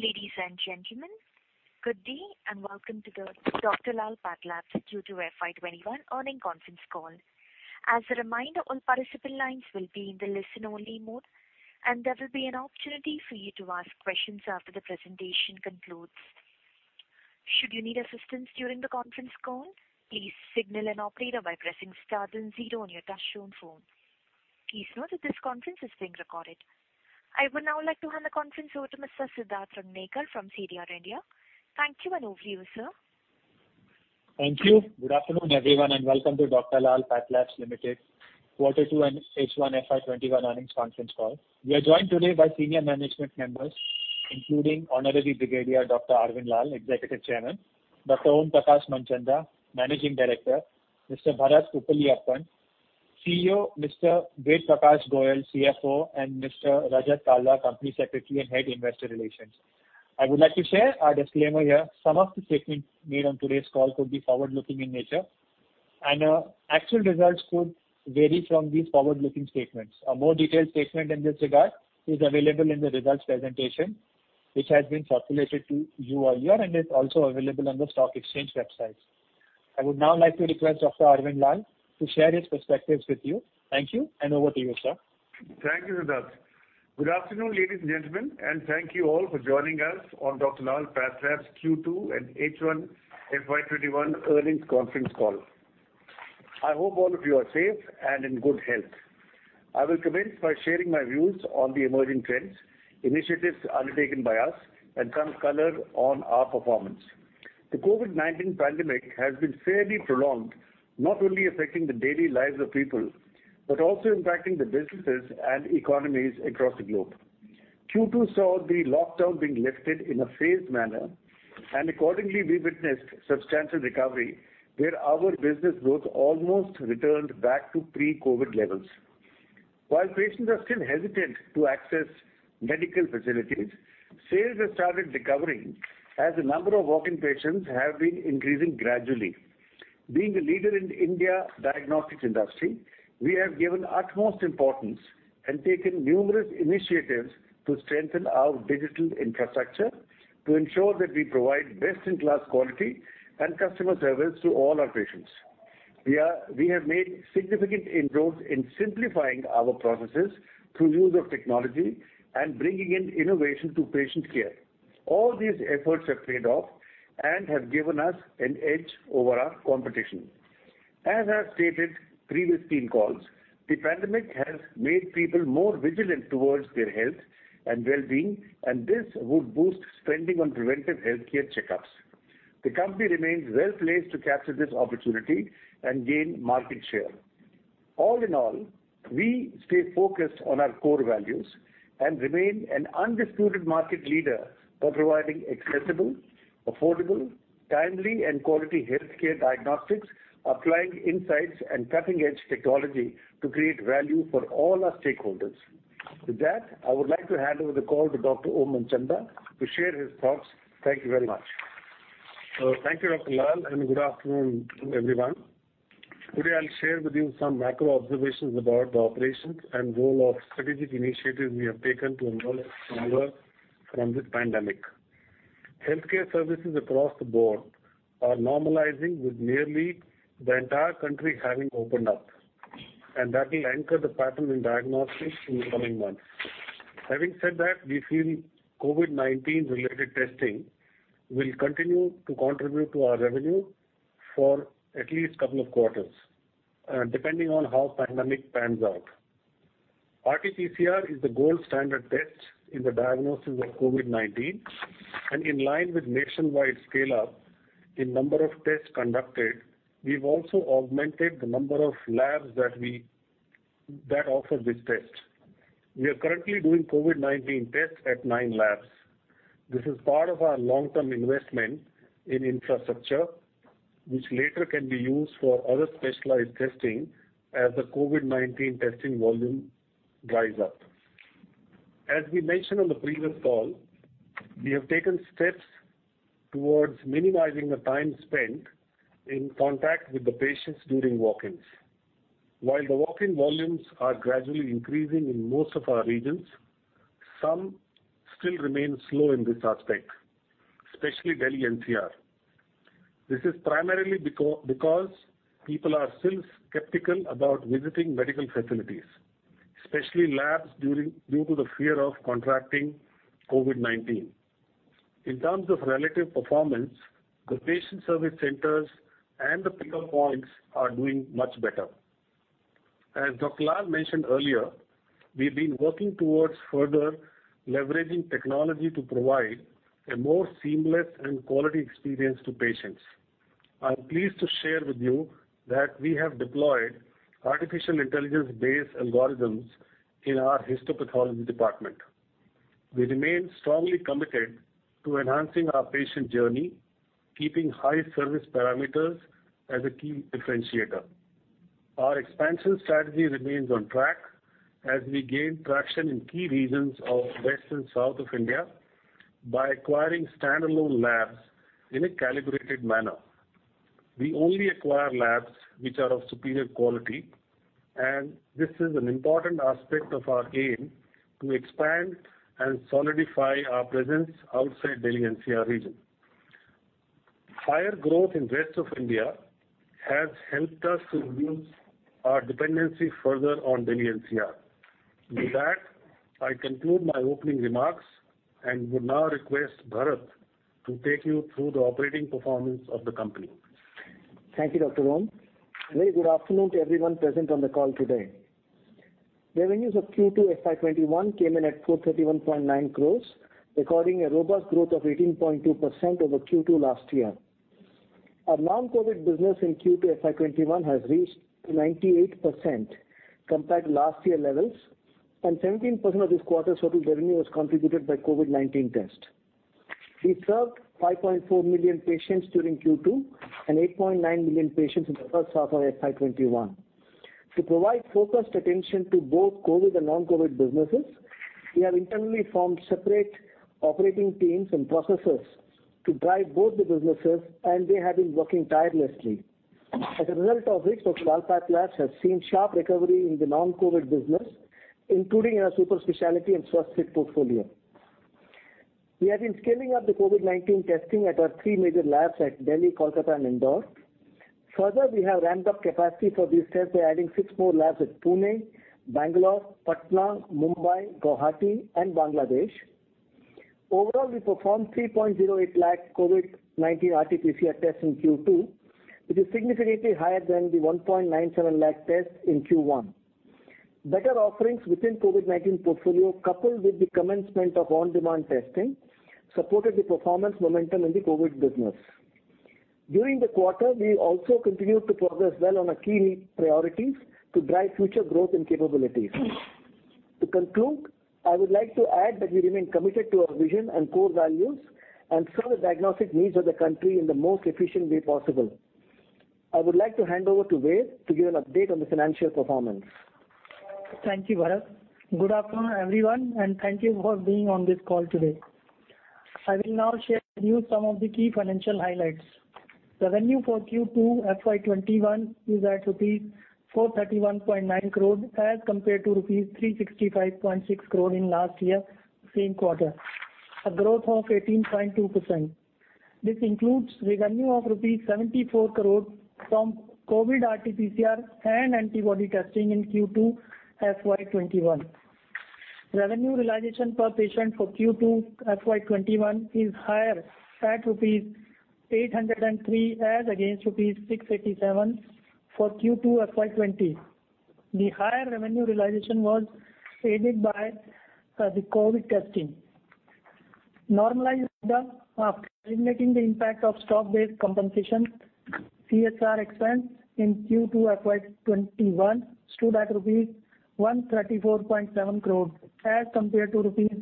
Ladies and gentlemen, good day, and welcome to the Dr. Lal PathLabs Q2 FY 2021 earnings conference call. As a reminder, all participant lines will be in the listen only mode, and there will be an opportunity for you to ask questions after the presentation concludes. Should you need assistance during the conference call, please signal an operator by pressing star then zero on your touchtone phone. Please note that this conference is being recorded. I would now like to hand the conference over to Mr. Siddharth Ranganekar from CDR India. Thank you, and over to you, sir. Thank you. Good afternoon, everyone, and welcome to Dr. Lal PathLabs Limited Q2 and H1 FY 2021 earnings conference call. We are joined today by senior management members, including Honorary Brigadier Dr. Arvind Lal, Executive Chairman, Dr. Om Prakash Manchanda, Managing Director, Mr. Bharath Uppiliappan, CEO, Mr. Ved Prakash Goel, CFO, and Mr. Rajat Kalra, Company Secretary and Head Investor Relations. I would like to share our disclaimer here. Some of the statements made on today's call could be forward-looking in nature, and actual results could vary from these forward-looking statements. A more detailed statement in this regard is available in the results presentation, which has been circulated to you all here and is also available on the stock exchange websites. I would now like to request Dr. Arvind Lal to share his perspectives with you. Thank you, and over to you, sir. Thank you, Siddharth. Good afternoon, ladies and gentlemen, and thank you all for joining us on Dr. Lal PathLabs Q2 and H1 FY 2021 earnings conference call. I hope all of you are safe and in good health. I will commence by sharing my views on the emerging trends, initiatives undertaken by us, and some color on our performance. The COVID-19 pandemic has been fairly prolonged, not only affecting the daily lives of people, but also impacting the businesses and economies across the globe. Q2 saw the lockdown being lifted in a phased manner, and accordingly, we witnessed substantial recovery, where our business growth almost returned back to pre-COVID levels. While patients are still hesitant to access medical facilities, sales have started recovering as the number of walk-in patients have been increasing gradually. Being a leader in India diagnostics industry, we have given utmost importance and taken numerous initiatives to strengthen our digital infrastructure to ensure that we provide best-in-class quality and customer service to all our patients. We have made significant inroads in simplifying our processes through use of technology and bringing in innovation to patient care. All these efforts have paid off and have given us an edge over our competition. As I stated previous team calls, the pandemic has made people more vigilant towards their health and well-being, and this would boost spending on preventive healthcare checkups. The company remains well-placed to capture this opportunity and gain market share. All in all, we stay focused on our core values and remain an undisputed market leader for providing accessible, affordable, timely, and quality healthcare diagnostics, applying insights and cutting-edge technology to create value for all our stakeholders. With that, I would like to hand over the call to Dr. Om Manchanda to share his thoughts. Thank you very much. Thank you, Dr. Lal, and good afternoon to everyone. Today, I'll share with you some macro observations about the operations and role of strategic initiatives we have taken to emerge stronger from this pandemic. Healthcare services across the board are normalizing with nearly the entire country having opened up, and that will anchor the pattern in diagnostics in the coming months. Having said that, we feel COVID-19-related testing will continue to contribute to our revenue for at least couple of quarters, depending on how pandemic pans out. RT-PCR is the gold standard test in the diagnosis of COVID-19, and in line with nationwide scale-up in number of tests conducted, we've also augmented the number of labs that offer this test. We are currently doing COVID-19 tests at nine labs. This is part of our long-term investment in infrastructure, which later can be used for other specialized testing as the COVID-19 testing volume dries up. As we mentioned on the previous call, we have taken steps towards minimizing the time spent in contact with the patients during walk-ins. While the walk-in volumes are gradually increasing in most of our regions, some still remain slow in this aspect, especially Delhi NCR. This is primarily because people are still skeptical about visiting medical facilities, especially labs due to the fear of contracting COVID-19. In terms of relative performance, the patient service centers and the pickup points are doing much better. As Dr. Lal mentioned earlier, we've been working towards further leveraging technology to provide a more seamless and quality experience to patients. I'm pleased to share with you that we have deployed artificial intelligence-based algorithms in our histopathology department. We remain strongly committed to enhancing our patient journey, keeping high service parameters as a key differentiator. Our expansion strategy remains on track as we gain traction in key regions of west and south of India by acquiring standalone labs in a calibrated manner. We only acquire labs which are of superior quality, and this is an important aspect of our aim to expand and solidify our presence outside Delhi NCR region. Higher growth in rest of India has helped us to reduce our dependency further on Delhi NCR. With that, I conclude my opening remarks and would now request Bharath to take you through the operating performance of the company. Thank you, Dr. Rohan. Very good afternoon to everyone present on the call today. Revenues of Q2 FY21 came in at 431.9 crores, recording a robust growth of 18.2% over Q2 last year. Our non-COVID business in Q2 FY21 has reached 98% compared to last year levels, and 17% of this quarter's total revenue was contributed by COVID-19 test. We served 5.4 million patients during Q2 and 8.9 million patients in the first half of FY21. To provide focused attention to both COVID and non-COVID businesses, we have internally formed separate operating teams and processes to drive both the businesses, and they have been working tirelessly. As a result of which Dr. Lal PathLabs has seen sharp recovery in the non-COVID business, including in our super specialty and SwasthFit portfolio. We have been scaling up the COVID-19 testing at our three major labs at Delhi, Kolkata, and Indore. Further, we have ramped up capacity for these tests by adding six more labs at Pune, Bengaluru, Patna, Mumbai, Guwahati, and Bangladesh. Overall, we performed 3.08 lakh COVID-19 RT-PCR tests in Q2, which is significantly higher than the 1.97 lakh tests in Q1. Better offerings within COVID-19 portfolio, coupled with the commencement of on-demand testing, supported the performance momentum in the COVID business. During the quarter, we also continued to progress well on our key priorities to drive future growth and capabilities. To conclude, I would like to add that we remain committed to our vision and core values and serve the diagnostic needs of the country in the most efficient way possible. I would like to hand over to Ved to give an update on the financial performance. Thank you, Bharath. Good afternoon, everyone, and thank you for being on this call today. I will now share with you some of the key financial highlights. Revenue for Q2 FY21 is at INR 431.9 crores as compared to INR 365.6 crores in last year same quarter, a growth of 18.2%. This includes revenue of 74 crores rupees from COVID RT-PCR and antibody testing in Q2 FY21. Revenue realization per patient for Q2 FY21 is higher at rupees 803 as against rupees 687 for Q2 FY20. The higher revenue realization was aided by the COVID testing. Normalized after eliminating the impact of stock-based compensation, CSR expense in Q2 FY21 stood at rupees 134.7 crores as compared to rupees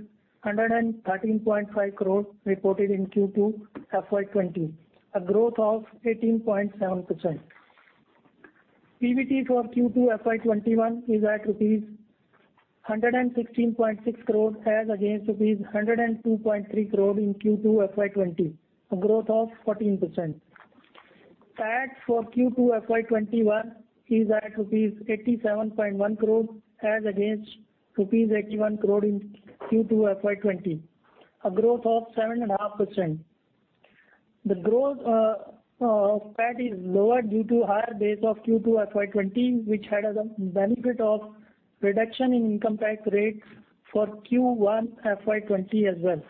113.5 crores reported in Q2 FY20, a growth of 18.7%. PBT for Q2 FY21 is at rupees 116.6 crores as against rupees 102.3 crores in Q2 FY20, a growth of 14%. PAT for Q2 FY21 is at rupees 87.1 crores as against rupees 81 crores in Q2 FY20, a growth of 7.5%. The growth of PAT is lower due to higher base of Q2 FY20, which had the benefit of reduction in income tax rates for Q1 FY20 as well.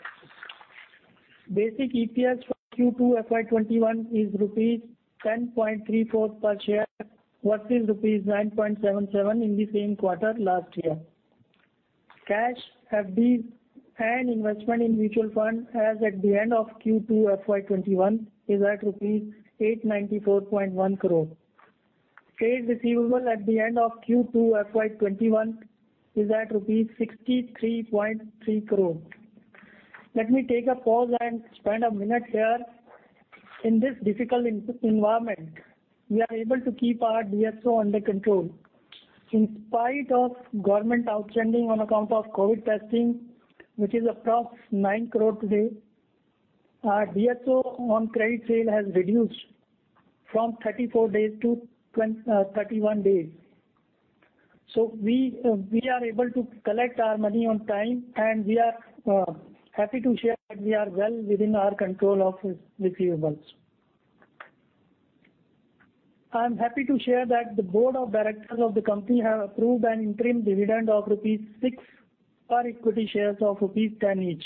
Basic EPS for Q2 FY21 is rupees 10.34 per share versus rupees 9.77 in the same quarter last year. Cash, FDs, and investment in mutual fund as at the end of Q2 FY21 is at rupees 894.1 crores. Trade receivable at the end of Q2 FY21 is at rupees 63.3 crores. Let me take a pause and spend a minute here. In this difficult environment, we are able to keep our DSO under control. In spite of government outstanding on account of COVID testing, which is approx 9 crores today, our DSO on credit sale has reduced from 34 days to 31 days. We are able to collect our money on time, and we are happy to share that we are well within our control of receivables. I am happy to share that the board of directors of the company have approved an interim dividend of rupees 6 per equity shares of rupees 10 each.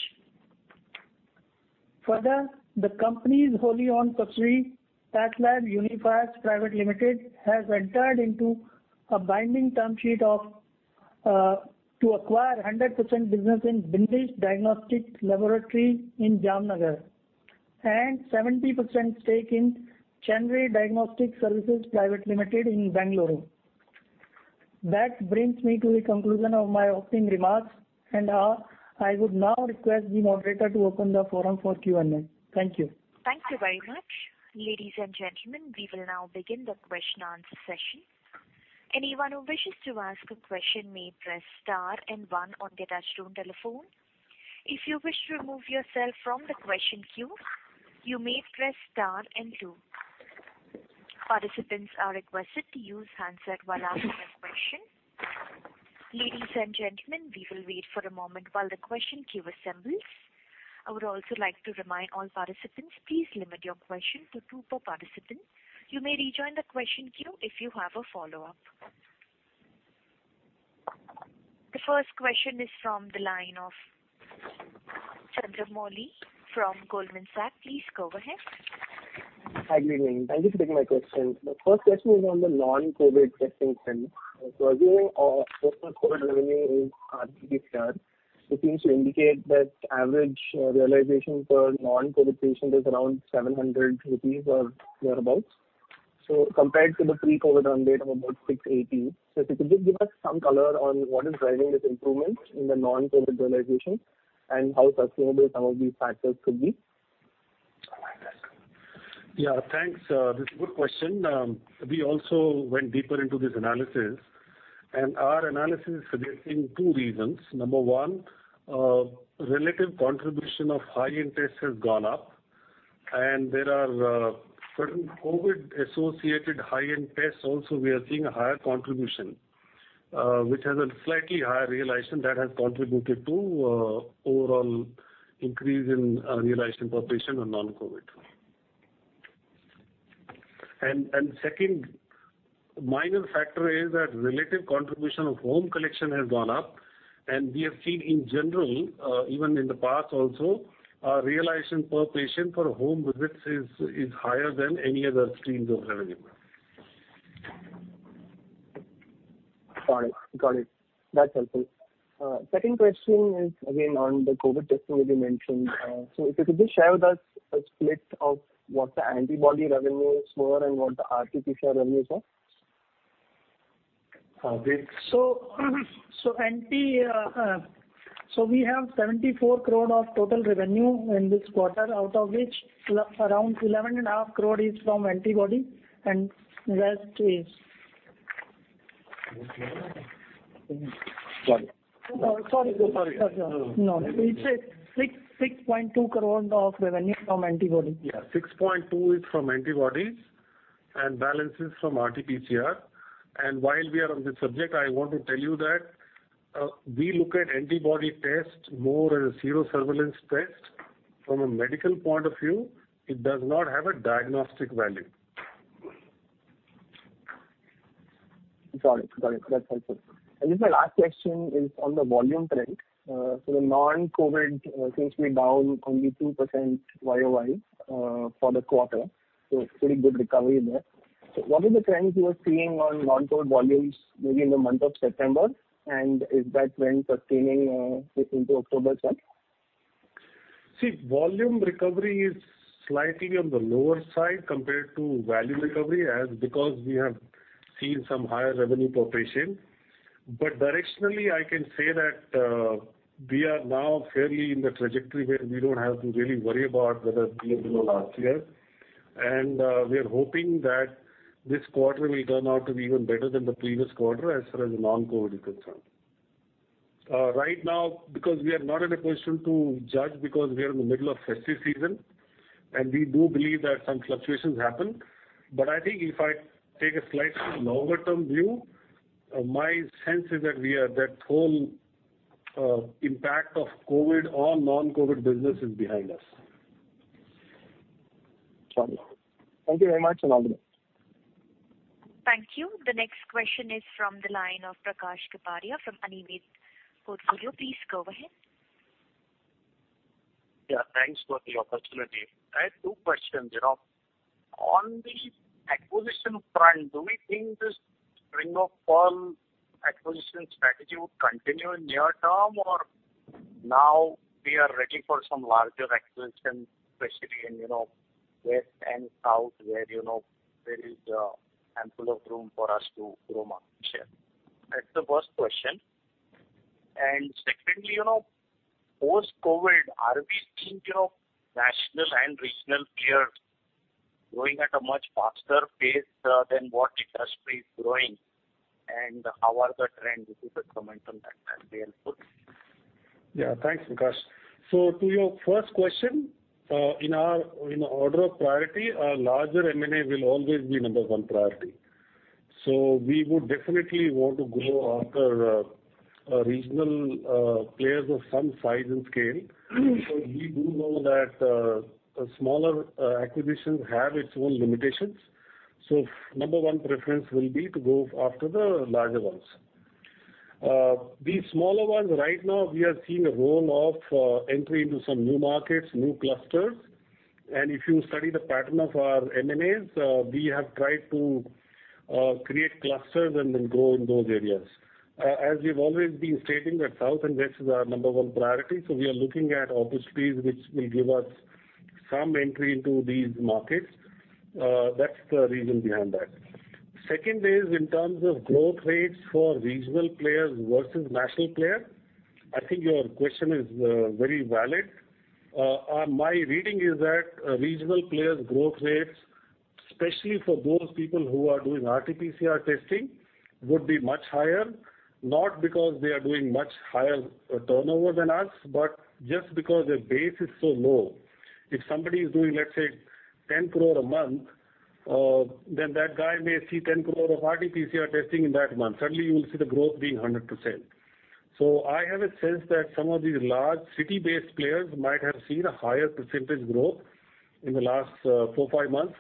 The company's wholly owned subsidiary, PathLabs Unifiers Private Limited, has entered into a binding term sheet to acquire 100% business in Bindesh Diagnostic Laboratory in Jamnagar and 70% stake in ChanRe Diagnostic Services Private Limited in Bengaluru. That brings me to the conclusion of my opening remarks. I would now request the moderator to open the forum for Q&A. Thank you. Thank you very much. Ladies and gentlemen, we will now begin the question and answer session. Anyone who wishes to ask a question may press star and one on their touch-tone telephone. If you wish to remove yourself from the question queue, you may press star and two. Participants are requested to use handset while asking a question. Ladies and gentlemen, we will wait for a moment while the question queue assembles. I would also like to remind all participants, please limit your question to two per participant. You may rejoin the question queue if you have a follow-up. The first question is from the line of Chandramouli Muthiah from Goldman Sachs. Please go ahead. Hi, good evening. Thank you for taking my question. The first question is on the non-COVID testing trend. As you know, overall COVID revenue is RTPCR. It seems to indicate that average realization per non-COVID patient is around 700 rupees or thereabouts. Compared to the pre-COVID run rate of about 680. If you could just give us some color on what is driving this improvement in the non-COVID realization and how sustainable some of these factors could be. Yeah, thanks. This is a good question. We also went deeper into this analysis, and our analysis is suggesting two reasons. Number one, relative contribution of high-end tests has gone up, and there are certain COVID-associated high-end tests also we are seeing a higher contribution, which has a slightly higher realization that has contributed to overall increase in realization per patient on non-COVID. Second minor factor is that relative contribution of home collection has gone up, and we have seen in general, even in the past also, our realization per patient for home visits is higher than any other streams of revenue. Got it. That's helpful. Second question is again on the COVID testing that you mentioned. If you could just share with us a split of what the antibody revenues were and what the RTPCR revenues are. Abit? We have 74 crore of total revenue in this quarter, out of which around 11 and a half crore is from antibody. Rest is. Sorry. Sorry. No. It's 6.2 crore of revenue from antibody. Yeah. 6.2 is from antibodies. Balance is from RTPCR. While we are on this subject, I want to tell you that we look at antibody test more as a sero surveillance test. From a medical point of view, it does not have a diagnostic value. Got it. That's helpful. Just my last question is on the volume trend. The non-COVID seems to be down only 2% YOY for the quarter, so it's pretty good recovery there. What are the trends you are seeing on non-COVID volumes maybe in the month of September, and is that trend sustaining into October month? Volume recovery is slightly on the lower side compared to value recovery, because we have seen some higher revenue per patient. Directionally, I can say that we are now fairly in the trajectory where we don't have to really worry about whether we are below last year. We are hoping that this quarter will turn out to be even better than the previous quarter as far as non-COVID is concerned. Right now, because we are not in a position to judge because we are in the middle of festive season, and we do believe that some fluctuations happen. I think if I take a slightly longer-term view, my sense is that whole impact of COVID on non-COVID business is behind us. Got it. Thank you very much. All the best. Thank you. The next question is from the line of Prakash Kapadia from Anived Portfolio Managers. Please go ahead. Yeah, thanks for the opportunity. I have two questions. On the acquisition front, do we think this string of pearls acquisition strategy would continue in near term, or now we are ready for some larger acquisitions, especially in west and south, where there is handful of room for us to grow market share? That's the first question. Secondly, post-COVID, are we seeing national and regional players growing at a much faster pace than what the industry is growing, and how are the trends? If you could comment on that would be helpful. Yeah. Thanks, Prakash. To your first question, in order of priority, larger M&A will always be number 1 priority. We would definitely want to go after regional players of some size and scale, because we do know that smaller acquisitions have its own limitations. Number 1 preference will be to go after the larger ones. These smaller ones, right now, we are seeing a role of entry into some new markets, new clusters. If you study the pattern of our M&As, we have tried to create clusters and then grow in those areas. As we've always been stating that south and west is our number 1 priority, we are looking at opportunities which will give us some entry into these markets. That's the reason behind that. Second is in terms of growth rates for regional players versus national player. I think your question is very valid. My reading is that regional players' growth rates, especially for those people who are doing RTPCR testing, would be much higher, not because they are doing much higher turnover than us, but just because their base is so low. If somebody is doing, let's say, 10 crore a month, then that guy may see 10 crore of RTPCR testing in that month. Suddenly, you will see the growth being 100%. I have a sense that some of these large city-based players might have seen a higher percentage growth in the last four, five months,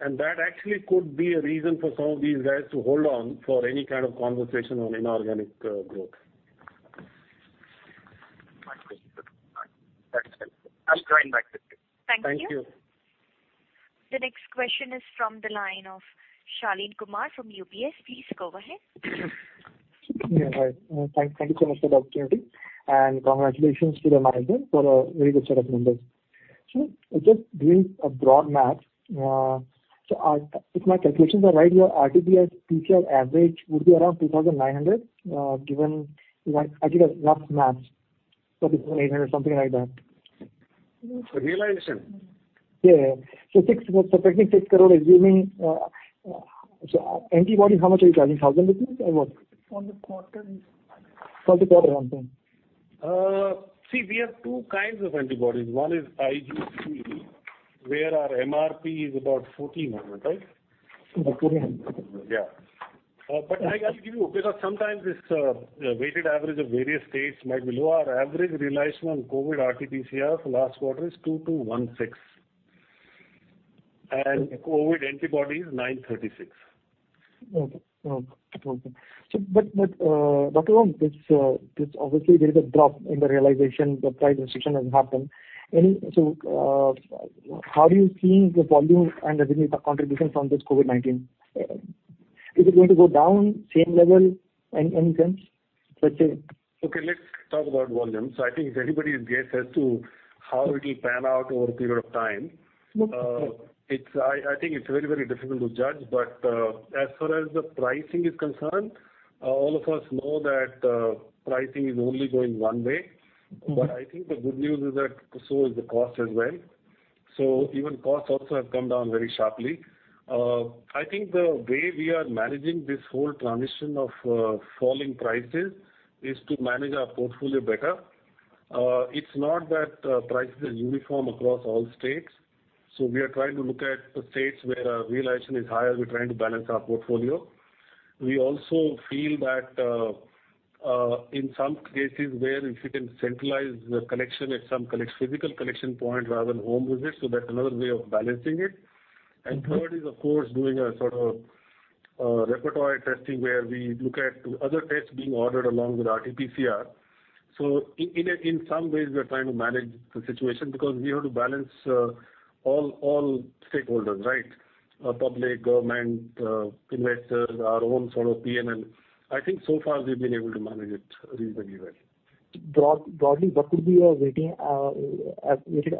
and that actually could be a reason for some of these guys to hold on for any kind of conversation on inorganic growth. That's helpful. I'll join back with you. Thank you. Thank you. The next question is from the line of Shaleen Kumar from UBS. Please go ahead. Yeah, hi. Thank you so much for the opportunity, congratulations to the management for a very good set of numbers. Just doing a broad math, if my calculations are right, your RTPCR average would be around 2,900, given I did a rough math, 2,800, something like that. Realization? Yeah. Technically INR 6 crore is giving. Antibody, how much are you charging, 1,000 or what? For the quarter. For the quarter, okay. See, we have two kinds of antibodies. One is IgG, where our MRP is about 1,400, right? Okay. Yeah. I'll give you, because sometimes this weighted average of various states might be low. Our average realization on COVID RTPCR for last quarter is 2,216, and COVID antibody is INR 936. Dr. Lal, obviously there is a drop in the realization. The price restriction has happened. How do you think the volume and the business contribution from this COVID-19? Is it going to go down, same level, any sense, let's say? Okay, let's talk about volume. I think it's anybody's guess as to how it'll pan out over a period of time. I think it's very difficult to judge. As far as the pricing is concerned, all of us know that pricing is only going one way. I think the good news is that so is the cost as well. Even costs also have come down very sharply. I think the way we are managing this whole transition of falling prices is to manage our portfolio better. It's not that prices are uniform across all states. We are trying to look at the states where our realization is higher. We're trying to balance our portfolio. We also feel that in some cases where if you can centralize the collection at some physical collection point rather than home visit, that's another way of balancing it. Third is, of course, doing a sort of repertory testing where we look at other tests being ordered along with RTPCR. In some ways, we are trying to manage the situation because we have to balance all stakeholders, right? Public, government, investors, our own sort of P&L. I think so far we've been able to manage it reasonably well. Broadly, what could be your weighted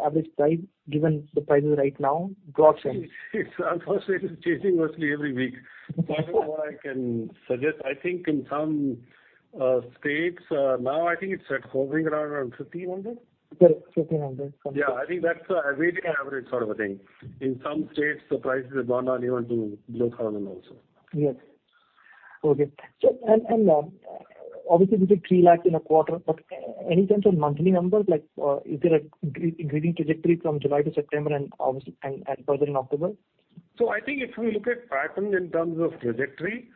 average price given the prices right now, broad sense? Unfortunately, it is changing mostly every week. I don't know I can suggest. I think in some states now, I think it's hovering around 1,500. Correct. 1,500. Yeah, I think that's a weighted average sort of a thing. In some states, the prices have gone down even to below INR 1,000 also. Yes. Okay. Obviously you did 3 lakhs INR in a quarter, but any sense of monthly numbers? Is there an increasing trajectory from July to September and further in October? I think if you look at pattern in terms of trajectory,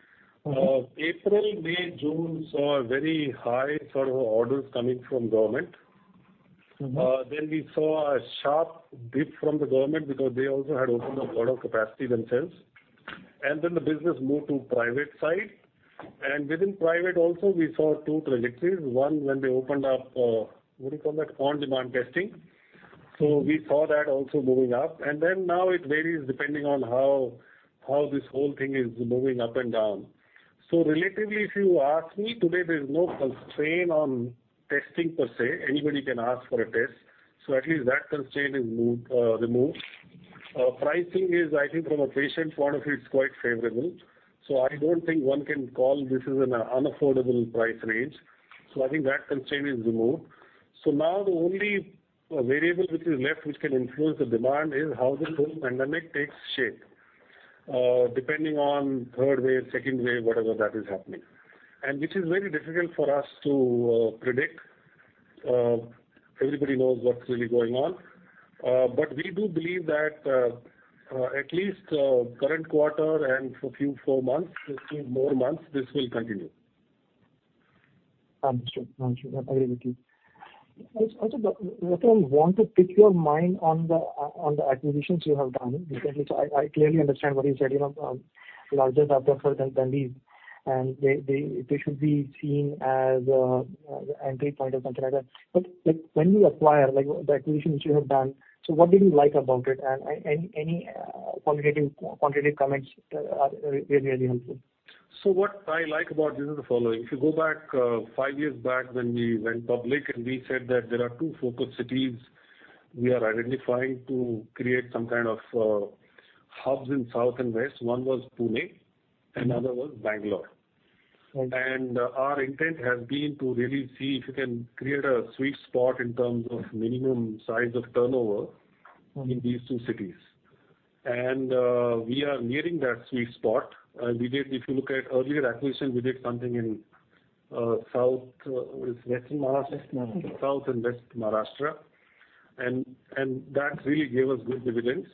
April, May, June saw a very high sort of orders coming from government. We saw a sharp dip from the government because they also had opened up a lot of capacity themselves. The business moved to private side. Within private also, we saw two trajectories. One, when they opened up, what do you call that, on-demand testing. We saw that also moving up, and then now it varies depending on how this whole thing is moving up and down. Relatively, if you ask me, today there's no constraint on testing, per se. Anybody can ask for a test. At least that constraint is removed. Pricing is, I think from a patient point of view, it's quite favorable. I don't think one can call this is an unaffordable price range. I think that constraint is removed. Now the only variable which is left, which can influence the demand, is how this whole pandemic takes shape, depending on third wave, second wave, whatever that is happening, and which is very difficult for us to predict. Everybody knows what's really going on. We do believe that at least current quarter and for few more months, this will continue. Understood. I agree with you. Dr. Lal, want to pick your mind on the acquisitions you have done. I clearly understand what you said, larger doctors than these, and they should be seen as an entry point or something like that. When you acquire, the acquisitions which you have done, what did you like about it? Any quantitative comments are really helpful. What I like about this is the following. If you go back five years back when we went public and we said that there are two focal cities we are identifying to create some kind of hubs in south and west. One was Pune. Another was Bengaluru. Our intent has been to really see if we can create a sweet spot in terms of minimum size of turnover in these two cities. We are nearing that sweet spot. If you look at earlier acquisition, we did something in south, what is west Maharashtra? West Maharashtra. South and west Maharashtra. That really gave us good dividends.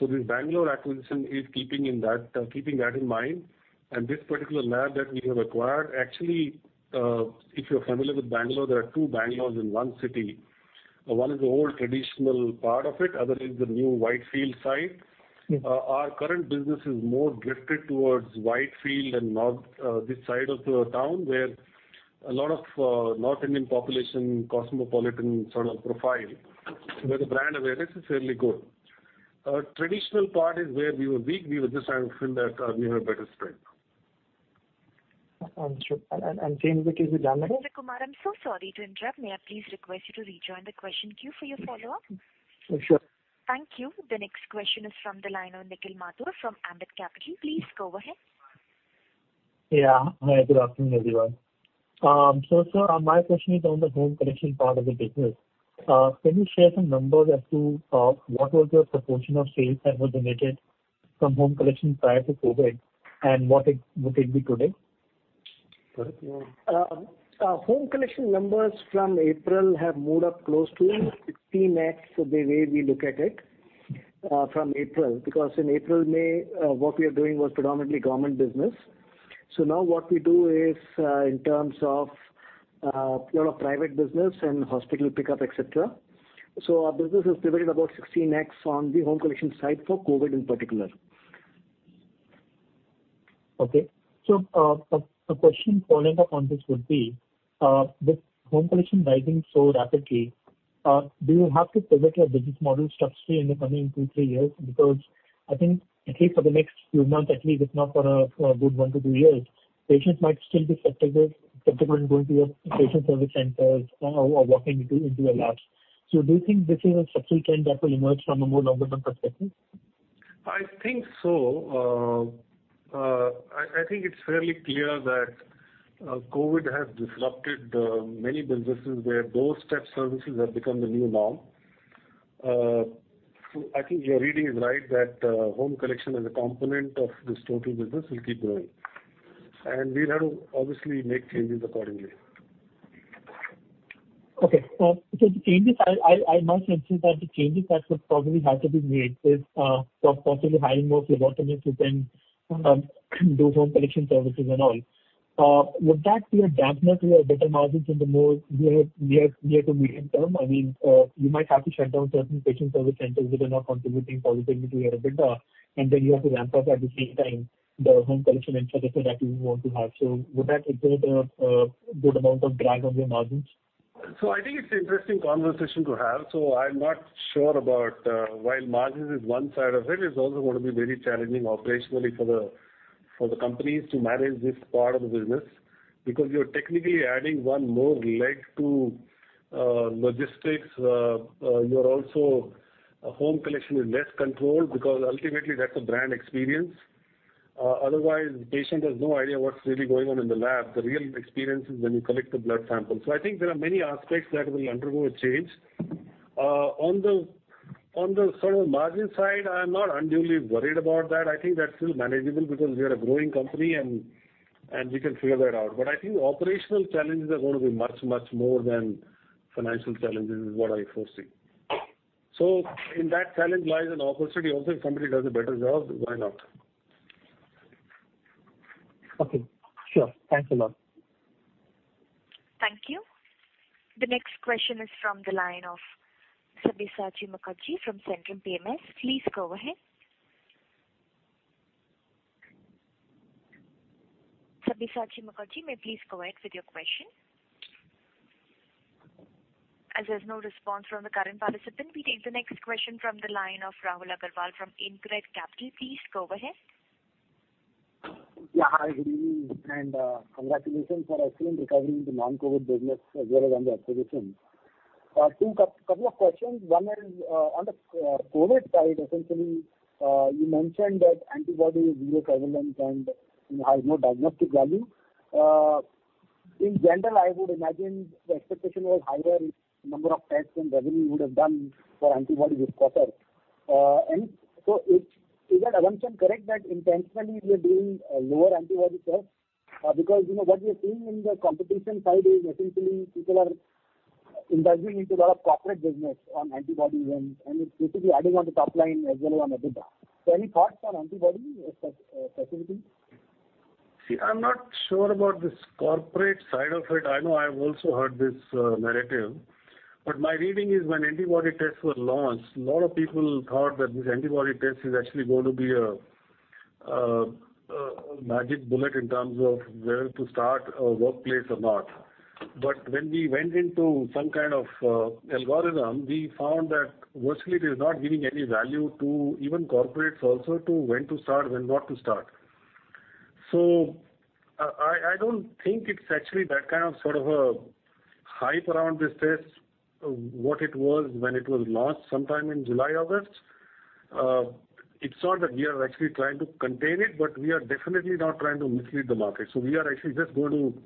This Bengaluru acquisition is keeping that in mind. This particular lab that we have acquired, actually, if you're familiar with Bengaluru, there are two Bengaluru's in one city. One is the old traditional part of it, other is the new Whitefield side. Our current business is more drifted towards Whitefield and north, this side of the town, where a lot of North Indian population, cosmopolitan sort of profile, where the brand awareness is fairly good. Traditional part is where we were weak. We were just trying to fill that, we have better strength. Sure. Same is the case with Bengaluru? Mr. Kumar, I'm so sorry to interrupt. May I please request you to rejoin the question queue for your follow-up? Sure. Thank you. The next question is from the line of Nikhil Mathur from Ambit Capital. Please go ahead. Yeah. Hi, good afternoon, everyone. Sir, my question is on the home collection part of the business. Can you share some numbers as to what was your proportion of sales that was generated from home collection prior to COVID, and what it would be today? Home collection numbers from April have moved up close to 16x, the way we look at it, from April. Because in April, May, what we were doing was predominantly government business. Now what we do is, in terms of a lot of private business and hospital pickup, et cetera. Our business has pivoted about 16x on the home collection side for COVID in particular. Okay. A question flowing up on this would be, with home collection rising so rapidly, do you have to pivot your business model structurally in the coming two, three years? I think at least for the next few months at least, if not for a good one to two years, patients might still be skeptical in going to your Patient Service Centers or walking into a lab. Do you think this is a structural change that will emerge from a more longer-term perspective? I think so. I think it's fairly clear that COVID has disrupted many businesses where doorstep services have become the new norm. I think your reading is right, that home collection as a component of this total business will keep growing. We'll have to obviously make changes accordingly. Okay. The changes, I must mention that the changes that would probably have to be made is possibly hiring more phlebotomists who can do home collection services and all. Would that be a dampener to your better margins in the more near to medium-term? You might have to shut down certain Patient Service Centers that are not contributing positively to your EBITDA, and then you have to ramp up at the same time the home collection infrastructure that you want to have. Would that exert a good amount of drag on your margins? I think it's an interesting conversation to have. I'm not sure about, while margins is one side of it's also going to be very challenging operationally for the companies to manage this part of the business because you're technically adding one more leg to logistics. Home collection is less controlled because ultimately that's a brand experience. Otherwise, patient has no idea what's really going on in the lab. The real experience is when you collect the blood sample. I think there are many aspects that will undergo a change. On the sort of margin side, I am not unduly worried about that. I think that's still manageable because we are a growing company and we can figure that out. I think operational challenges are going to be much, much more than financial challenges, is what I foresee. In that challenge lies an opportunity also, if company does a better job, why not? Okay. Sure. Thanks a lot. Thank you. The next question is from the line of Sabyasachi Mukherjee from Centrum PMS. Please go ahead. Sabyasachi Mukherjee, may you please go ahead with your question. As there's no response from the current participant, we take the next question from the line of Rahul Aggarwal from Incred Capital. Please go ahead. Yeah. Hi, good evening, congratulations for excellent recovery in the non-COVID business as well as on the acquisition. Two couple of questions. One is, on the COVID side, essentially, you mentioned that antibody is sero surveillance and has no diagnostic value. In general, I would imagine the expectation was higher number of tests and revenue you would have done for antibody this quarter. Is that assumption correct that intentionally you are doing lower antibody tests? What we are seeing in the competition side is essentially people are indulging into a lot of corporate business on antibody end, and it's basically adding on the top line as well on EBITDA. Any thoughts on antibody specifically? See, I'm not sure about this corporate side of it. I know I've also heard this narrative. My reading is when antibody tests were launched, a lot of people thought that this antibody test is actually going to be a magic bullet in terms of whether to start a workplace or not. When we went into some kind of algorithm, we found that virtually it is not giving any value to even corporates also to when to start, when not to start. I don't think it's actually that kind of sort of hype around this test, what it was when it was launched sometime in July, August. It's not that we are actually trying to contain it, but we are definitely not trying to mislead the market. We are actually just going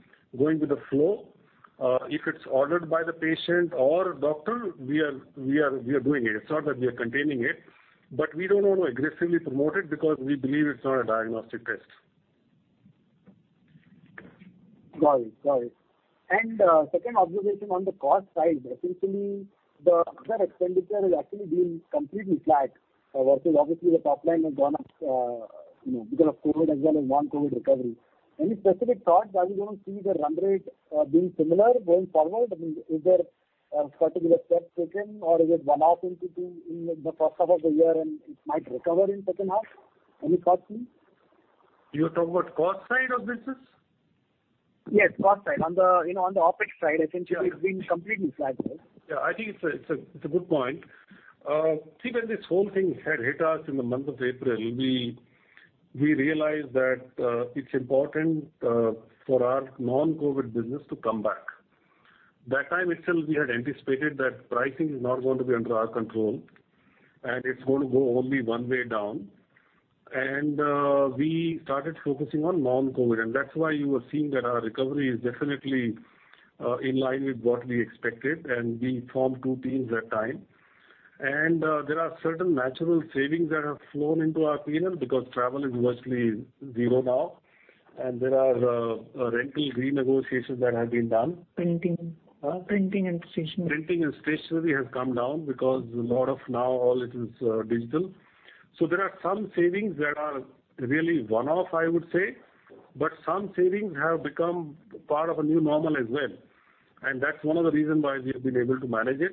with the flow. If it's ordered by the patient or doctor, we are doing it. It's not that we are containing it, but we don't want to aggressively promote it because we believe it's not a diagnostic test. Got it. Second observation on the cost side, essentially, the other expenditure has actually been completely flat, versus obviously the top line has gone up because of COVID as well as non-COVID recovery. Any specific thoughts? Are we going to see the run rate being similar going forward? I mean, is there a particular step taken or is it one-off in the first half of the year, and it might recover in second half? Any thoughts please? You're talking about cost side of business? Yes, cost side. On the OpEx side, essentially- Yeah it's been completely flat. Yeah, I think it's a good point. See, when this whole thing had hit us in the month of April, we realized that it's important for our non-COVID business to come back. That time still we had anticipated that pricing is not going to be under our control, and it's going to go only one way down. We started focusing on non-COVID, and that's why you are seeing that our recovery is definitely in line with what we expected, and we formed two teams that time. There are certain natural savings that have flown into our P&L because travel is virtually zero now. There are rental renegotiations that have been done. Printing. Huh? Printing and stationery. Printing and stationery has come down because a lot of now all it is digital. There are some savings that are really one-off, I would say. Some savings have become part of a new normal as well, and that's one of the reason why we've been able to manage it.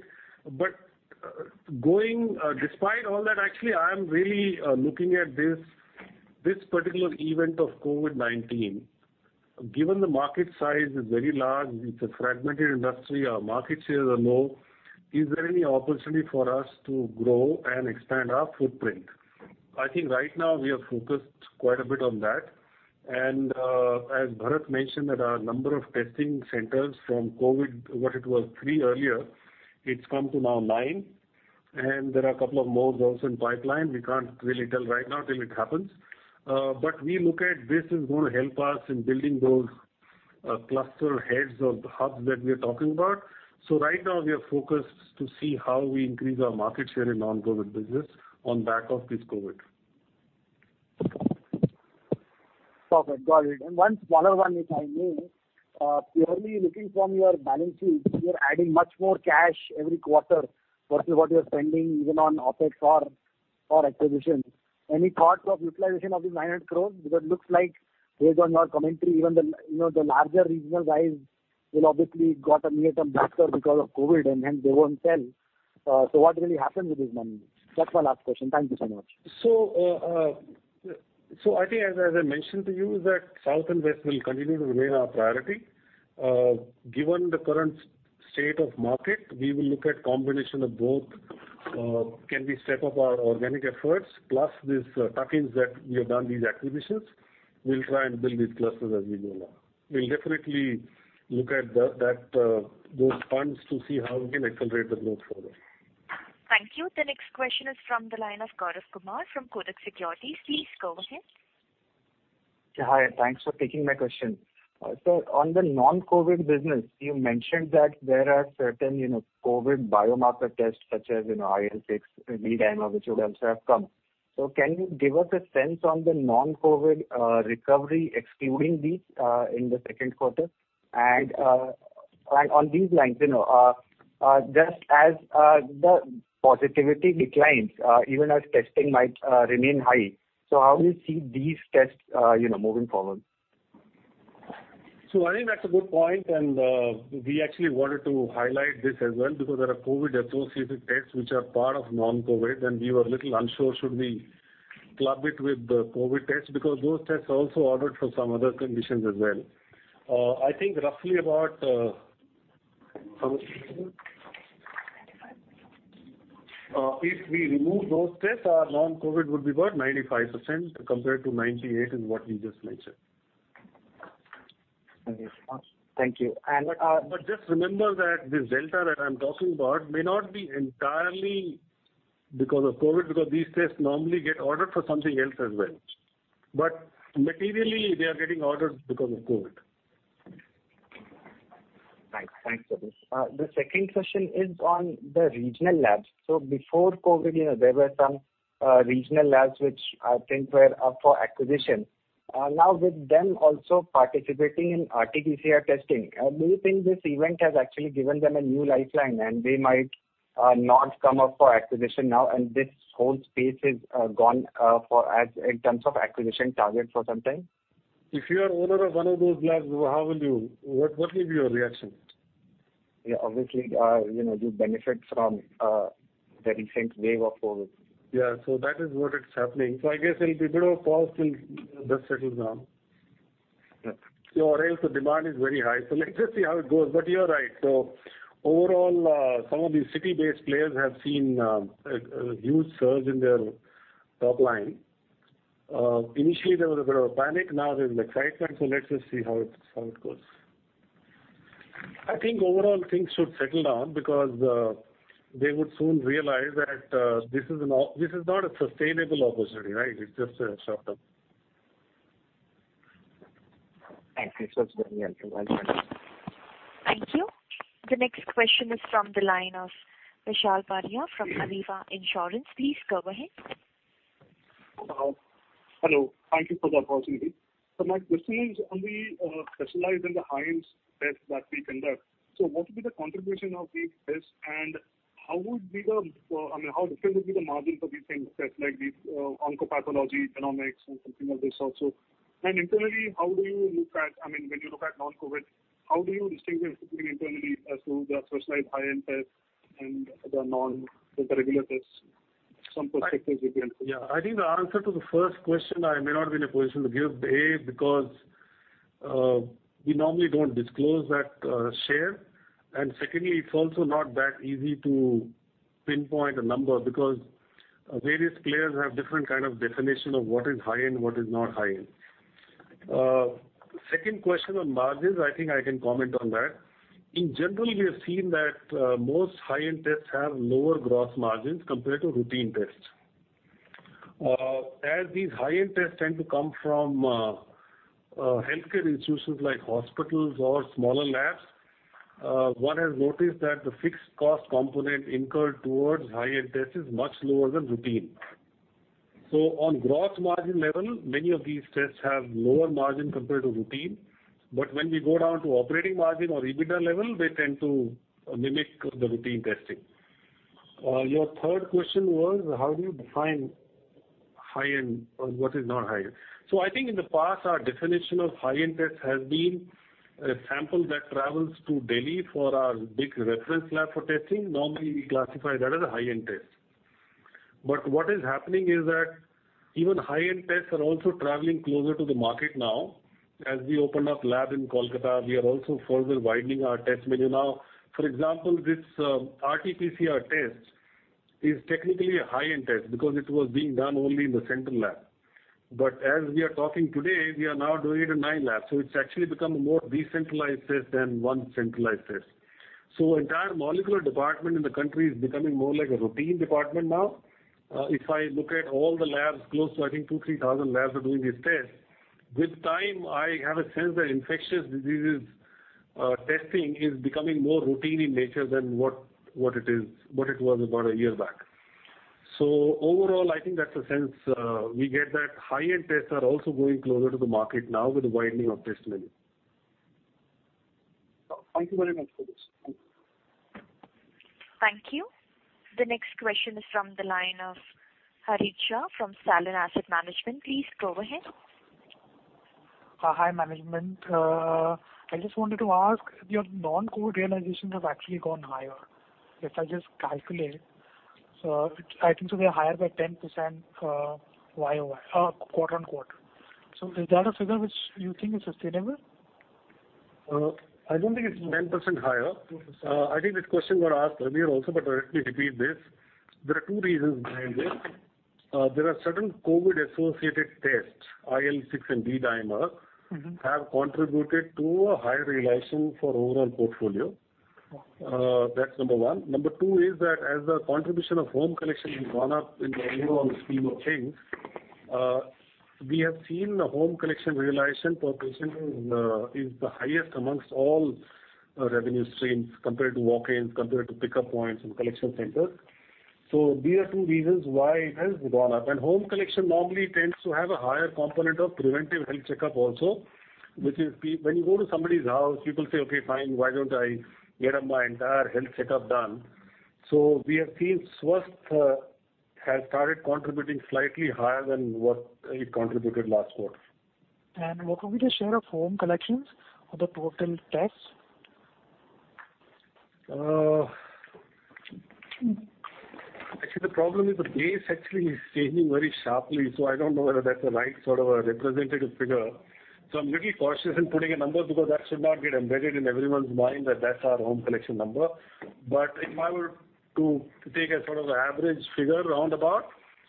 Despite all that, actually, I am really looking at this particular event of COVID-19. Given the market size is very large, it's a fragmented industry, our market shares are low. Is there any opportunity for us to grow and expand our footprint? I think right now we are focused quite a bit on that, as Bharath mentioned that our number of testing centers from COVID, what it was three earlier, it's come to now nine, and there are a couple of more also in pipeline. We can't really tell right now till it happens. We look at this is going to help us in building those cluster heads or the hubs that we're talking about. Right now, we are focused to see how we increase our market share in non-COVID business on back of this COVID. Perfect. Got it. One smaller one, if I may. Purely looking from your balance sheet, you are adding much more cash every quarter versus what you're spending even on OpEx or acquisitions. Any thoughts of utilization of this 900 crores? Looks like based on your commentary, even the larger regional guys will obviously got a near-term backlog because of COVID-19, and hence they won't sell. What really happens with this money? That's my last question. Thank you so much. I think as I mentioned to you, that south and west will continue to remain our priority. Given the current state of market, we will look at combination of both. Can we step up our organic efforts plus these tuck-ins that we have done, these acquisitions? We'll try and build these clusters as we go along. We'll definitely look at those funds to see how we can accelerate the growth further. Thank you. The next question is from the line of Gaurav Kumar from Kotak Securities. Please go ahead. Hi, thanks for taking my question. On the non-COVID business, you mentioned that there are certain COVID biomarker tests such as IL-6, D-dimer, which would also have come. Can you give us a sense on the non-COVID recovery excluding these, in the second quarter? On these lines, just as the positivity declines, even as testing might remain high, how do you see these tests moving forward? I think that's a good point, and we actually wanted to highlight this as well because there are COVID-associated tests which are part of non-COVID, and we were a little unsure should we club it with the COVID test because those tests are also ordered for some other conditions as well. I think roughly about How much, Shifra? 95. If we remove those tests, our non-COVID would be what? 95% compared to 98% is what we just mentioned. Okay. Thank you. Just remember that this delta that I'm talking about may not be entirely because of COVID, because these tests normally get ordered for something else as well. Materially, they are getting ordered because of COVID. Right. Thanks for this. The second question is on the regional labs. Before COVID, there were some regional labs which I think were up for acquisition. Now with them also participating in RT-PCR testing, do you think this event has actually given them a new lifeline, and they might not come up for acquisition now and this whole space is gone in terms of acquisition targets for some time? If you are owner of one of those labs, what will be your reaction? Yeah. Obviously, you benefit from the recent wave of COVID. Yeah, that is what is happening. I guess there'll be a bit of a pause till dust settles down. Yeah. Or else the demand is very high. Let's just see how it goes. You are right. Overall, some of these city-based players have seen a huge surge in their top line. Initially, there was a bit of a panic, now there's excitement. Let's just see how it goes. I think overall things should settle down because they would soon realize that this is not a sustainable opportunity, right? It's just a short-term. Thank you. That's very helpful. Thank you. The next question is from the line of Vishal Biraia from Aviva Insurance. Please go ahead. Hello. Thank you for the opportunity. My question is on the specialized and the high-end tests that we conduct. What will be the contribution of these tests and how different would be the margins of these things, tests like these oncopathology, genomics and something like this also? Internally, when you look at non-COVID, how do you distinguish between internally as to the specialized high-end tests and the regular tests? Some perspective you can give. Yeah. I think the answer to the first question, I may not be in a position to give today because we normally don't disclose that share. Secondly, it's also not that easy to pinpoint a number because various players have different kind of definition of what is high-end, what is not high-end. Second question on margins, I think I can comment on that. In general, we have seen that most high-end tests have lower gross margins compared to routine tests. These high-end tests tend to come from healthcare institutions like hospitals or smaller labs, one has noticed that the fixed cost component incurred towards high-end tests is much lower than routine. On gross margin level, many of these tests have lower margin compared to routine, but when we go down to operating margin or EBITDA level, they tend to mimic the routine testing. Your third question was how do you define high-end or what is not high-end. I think in the past our definition of high-end tests has been a sample that travels to Delhi for our big reference lab for testing. Normally we classify that as a high-end test. What is happening is that even high-end tests are also traveling closer to the market now. As we opened up lab in Kolkata, we are also further widening our test menu now. For example, this RTPCR test is technically a high-end test because it was being done only in the central lab. As we are talking today, we are now doing it in nine labs. It's actually become a more decentralized test than one centralized test. Entire molecular department in the country is becoming more like a routine department now. If I look at all the labs close to, I think two, 3,000 labs are doing this test. With time, I have a sense that infectious diseases testing is becoming more routine in nature than what it was about a year back. Overall, I think that's a sense we get that high-end tests are also going closer to the market now with the widening of test menu. Thank you very much for this. Thank you. The next question is from the line of Harit Shah from Salon Asset Management. Please go ahead. Hi, management. I just wanted to ask, your non-core realizations have actually gone higher. If I just calculate, I think they are higher by 10% quarter-on-quarter. Is that a figure which you think is sustainable? I don't think it's 10% higher. I think this question got asked earlier also. Let me repeat this. There are two reasons behind this. There are certain COVID-associated tests, IL-6 and D-dimer, have contributed to a higher realization for overall portfolio. That's number one. Number two is that as the contribution of home collection has gone up in the overall scheme of things, we have seen home collection realization per patient is the highest amongst all revenue streams compared to walk-ins, compared to pickup points and collection centers. These are two reasons why it has gone up. Home collection normally tends to have a higher component of preventive health checkup also, which is when you go to somebody's house, people say, Okay, fine, why don't I get my entire health checkup done? We have seen Swasthfit has started contributing slightly higher than what it contributed last quarter. What will be the share of home collections of the total tests? Actually, the problem is the base actually is changing very sharply, so I don't know whether that's the right sort of a representative figure. I'm little cautious in putting a number because that should not get embedded in everyone's mind that that's our home collection number. If I were to take a sort of average figure around about,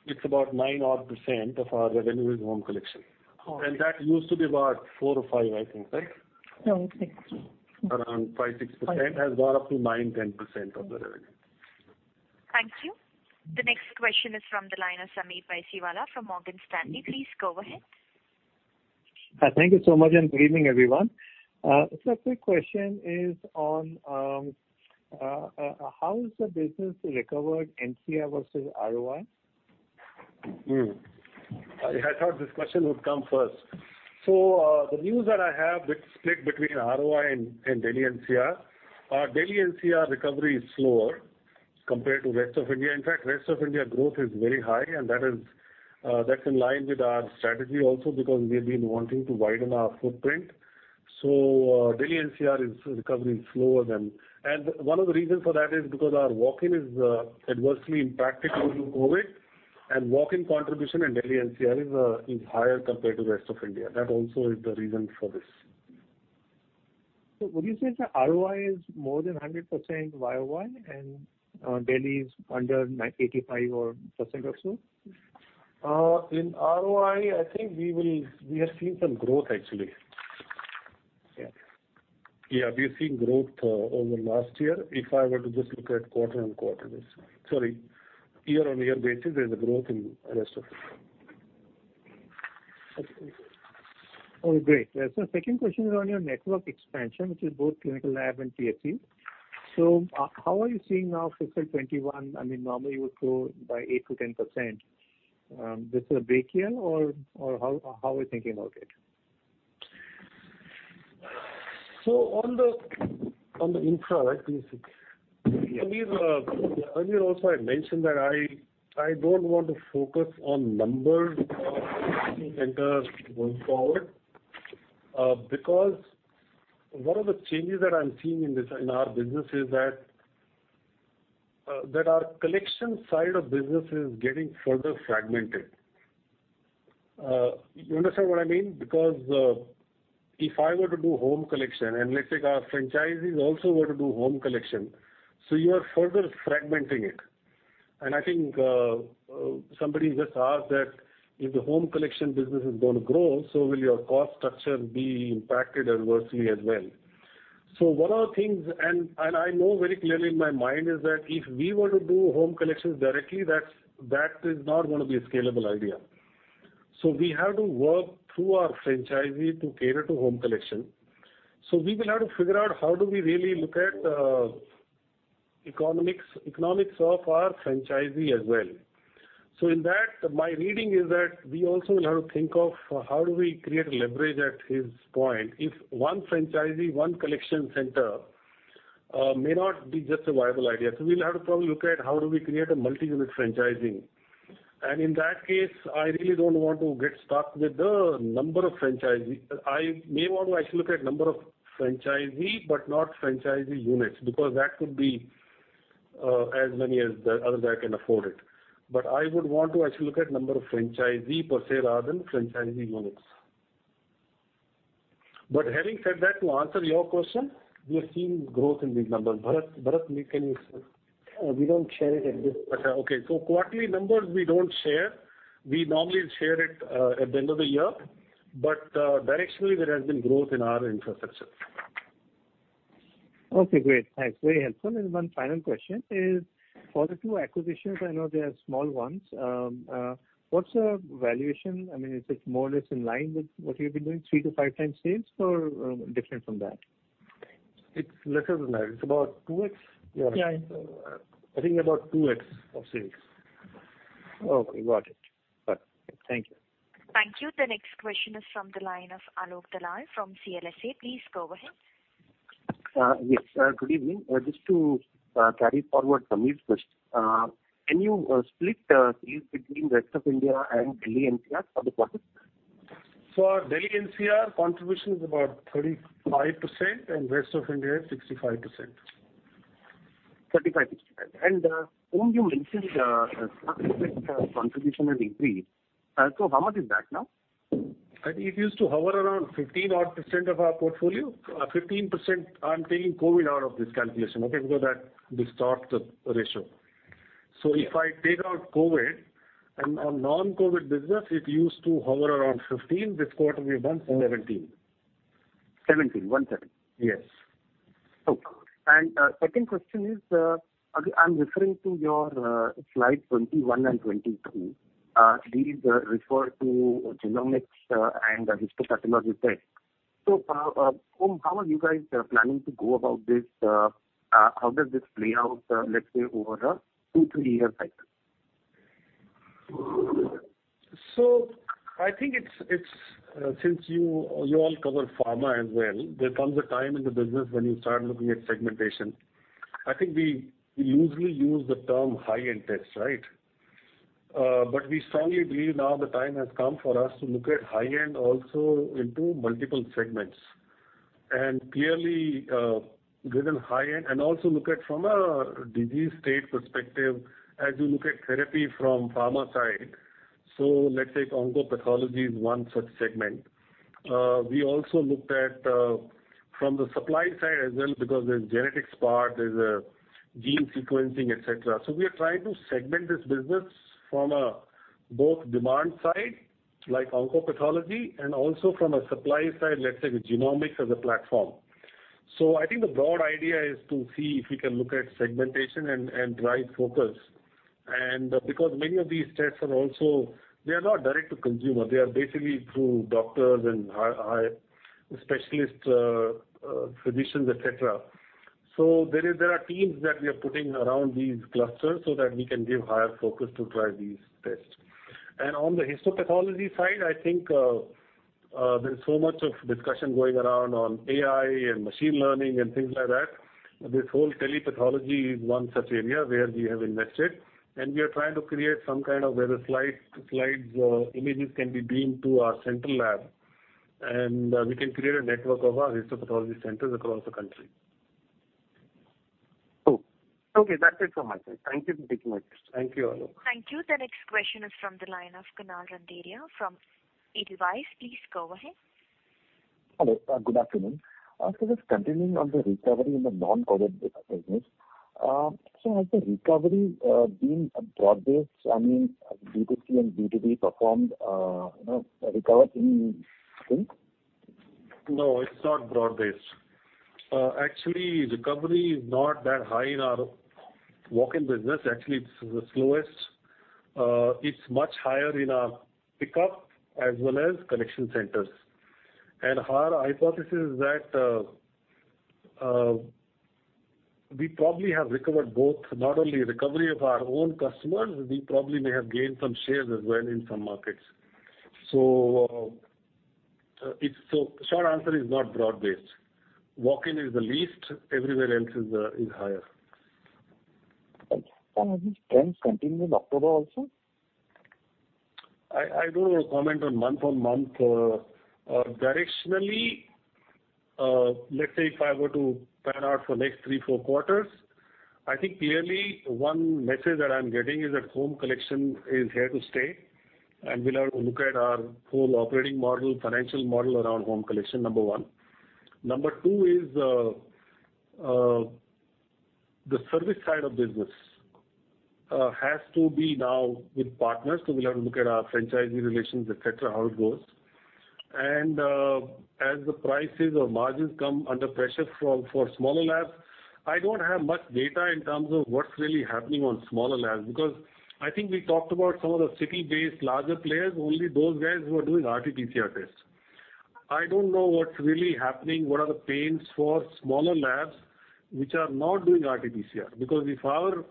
it's about nine odd % of our revenue is home collection. Okay. That used to be about four or five, I think, right? Around six. Around 5%, 6% has gone up to 9%, 10% of the revenue. Thank you. The next question is from the line of Sameer Baisiwala from Morgan Stanley. Please go ahead. Thank you so much. Good evening, everyone. Sir, quick question is on, how is the business recovered NCR versus ROI? I thought this question would come first. The news that I have, it's split between ROI and Delhi NCR. Our Delhi NCR recovery is slower compared to rest of India. In fact, rest of India growth is very high, and that's in line with our strategy also because we've been wanting to widen our footprint. Delhi NCR is recovering slower. One of the reasons for that is because our walk-in is adversely impacted due to COVID, and walk-in contribution in Delhi NCR is higher compared to rest of India. That also is the reason for this. Would you say the ROI is more than 100% YOY and Delhi is under 85% or so? In ROI, I think we have seen some growth actually. Yeah. Yeah. We have seen growth over last year. If I were to just look at quarter-over-quarter basis. Sorry, year-over-year basis, there's a growth in rest of it. Okay. Great. Second question is on your network expansion, which is both clinical lab and PSC. How are you seeing now FY 2021? Normally you would grow by 8%-10%. This is a break year or how are you thinking about it? On the infra, right? PSC. Yes. Earlier also I mentioned that I don't want to focus on number of centers going forward, one of the changes that I'm seeing in our business is that, our collection side of business is getting further fragmented. You understand what I mean? If I were to do home collection, let's say our franchisees also were to do home collection, you are further fragmenting it. I think somebody just asked that if the home collection business is going to grow, will your cost structure be impacted adversely as well. One of the things, I know very clearly in my mind, is that if we were to do home collections directly, that is not going to be a scalable idea. We have to work through our franchisee to cater to home collection. We will have to figure out how do we really look at economics of our franchisee as well. In that, my reading is that we also will have to think of how do we create a leverage at his point. If one franchisee, one collection center may not be just a viable idea. We will have to probably look at how do we create a multi-unit franchising. In that case, I really don't want to get stuck with the number of franchisees. I may want to actually look at number of franchisee, but not franchisee units, because that could be as many as the other guy can afford it. I would want to actually look at number of franchisee per se, rather than franchisee units. Having said that, to answer your question, we are seeing growth in these numbers. Bharath, can you explain? We don't share it at this point. Okay. Quarterly numbers we don't share. We normally share it at the end of the year, but directionally, there has been growth in our infrastructure. Okay, great. Thanks. Very helpful. One final question is, for the two acquisitions, I know they are small ones. What's the valuation? Is it more or less in line with what you've been doing, 3-5 times sales or different from that? It's lesser than that. It's about 2X? Yeah. I think about 2x of sales. Okay, got it. Yeah. Thank you. Thank you. The next question is from the line of Alok Dalal from CLSA. Please go ahead. Yes. Good evening. Just to carry forward Sameer's question. Can you split sales between rest of India and Delhi NCR for the quarter? For Delhi NCR contribution is about 35% and rest of India is 65%. 35, 65. Om, you mentioned contribution had increased. How much is that now? It used to hover around 15 odd % of our portfolio. 15%, I'm taking COVID out of this calculation, okay? That distorts the ratio. If I take out COVID, and on non-COVID business, it used to hover around 15. This quarter we have done 17. 17. 17? Yes. Okay. Second question is, I'm referring to your slide 21 and 22. These refer to genomics and histopathology test. Om, how are you guys planning to go about this? How does this play out, let's say over a two, three-year cycle? I think it's, since you all cover pharma as well, there comes a time in the business when you start looking at segmentation. I think we usually use the term high-end tests, right? We strongly believe now the time has come for us to look at high-end also into multiple segments. Clearly, within high-end, and also look at from a disease state perspective as you look at therapy from pharma side. Let's say oncopathology is one such segment. We also looked at from the supply side as well, because there's genetics part, there's gene sequencing, et cetera. We are trying to segment this business from both demand side like oncopathology and also from a supply side, let's say the genomics as a platform. I think the broad idea is to see if we can look at segmentation and drive focus. Because many of these tests are also, they are not direct to consumer. They are basically through doctors and specialist physicians, et cetera. There are teams that we are putting around these clusters so that we can give higher focus to try these tests. On the histopathology side, I think there's so much of discussion going around on AI and machine learning and things like that. This whole telepathology is one such area where we have invested, and we are trying to create some kind of, where slides or images can be beamed to our central lab. We can create a network of our histopathology centers across the country. Okay, that's it from my side. Thank you for taking my question. Thank you all. Thank you. The next question is from the line of Kunal Randeria from Edelweiss. Please go ahead. Hello, good afternoon. Just continuing on the recovery in the non-COVID business. Has the recovery been broad-based? I mean, B2C and B2B performed, recovered in sync? No, it's not broad-based. Actually, recovery is not that high in our walk-in business. Actually, it's the slowest. It's much higher in our pickup as well as collection centers. Our hypothesis is that we probably have recovered both, not only recovery of our own customers, we probably may have gained some shares as well in some markets. Short answer is not broad-based. Walk-in is the least, everywhere else is higher. These trends continue in October also? I don't comment on month-on-month. Directionally, let's say if I were to pan out for next three, four quarters, I think clearly one message that I'm getting is that home collection is here to stay, we'll have a look at our whole operating model, financial model around home collection, number one. Number two is, the service side of business has to be now with partners. We'll have to look at our franchisee relations, et cetera, how it goes. As the prices or margins come under pressure for smaller labs, I don't have much data in terms of what's really happening on smaller labs, because I think we talked about some of the city-based larger players, only those guys who are doing RT-PCR tests. I don't know what's really happening, what are the pains for smaller labs which are not doing RT-PCR. If our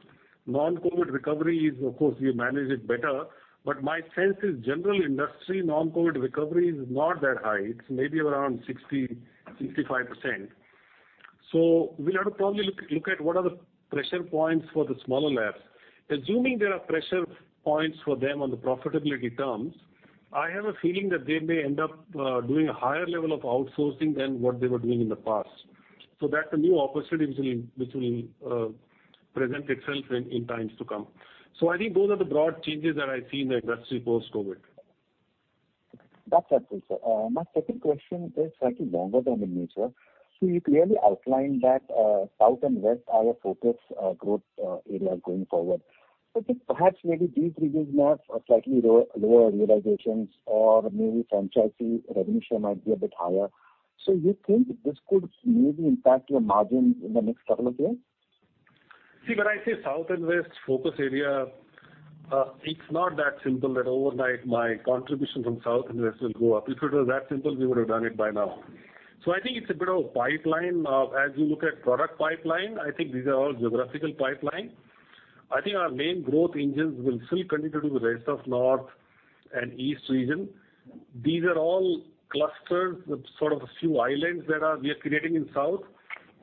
non-COVID recovery is, of course, we manage it better, but my sense is general industry non-COVID recovery is not that high. It's maybe around 60%, 65%. We'll have to probably look at what are the pressure points for the smaller labs. Assuming there are pressure points for them on the profitability terms, I have a feeling that they may end up doing a higher level of outsourcing than what they were doing in the past. That's a new opportunity which will present itself in times to come. I think those are the broad changes that I see in the industry post-COVID. That's helpful, sir. My second question is slightly longer-term in nature. You clearly outlined that South and West are your focus growth areas going forward. Perhaps maybe these regions have slightly lower realizations or maybe franchisee revenue share might be a bit higher. You think this could maybe impact your margin in the next couple of years? See, when I say South and West focus area, it's not that simple that overnight my contribution from South and West will go up. If it was that simple, we would have done it by now. I think it's a bit of a pipeline. As you look at product pipeline, I think these are all geographical pipeline. I think our main growth engines will still continue to be the rest of North and East region. These are all clusters with sort of a few islands that we are creating in South.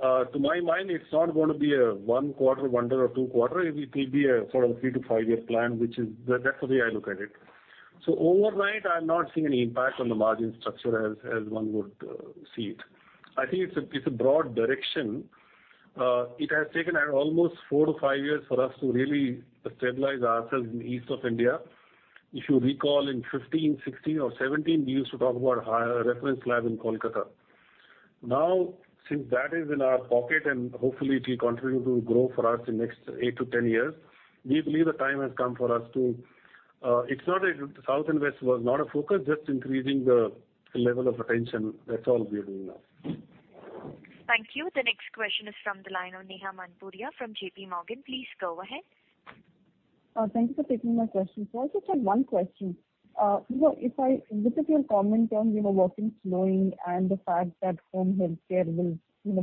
To my mind, it's not going to be a one quarter wonder or two quarter. It will be a sort of a three to five-year plan. That's the way I look at it. Overnight, I'm not seeing any impact on the margin structure as one would see it. I think it's a broad direction. It has taken almost four to five years for us to really stabilize ourselves in East of India. If you recall, in 2015, 2016 or 2017, we used to talk about our reference lab in Kolkata. Now, since that is in our pocket, and hopefully it will continue to grow for us in next eight to 10 years, we believe the time has come for us to South and West was not a focus, just increasing the level of attention. That's all we are doing now. Thank you. The next question is from the line of Neha Manpuria from JPMorgan. Please go ahead. Thank you for taking my question. Sir, I just had one question. With your comment on walk-ins slowing, the fact that home health care will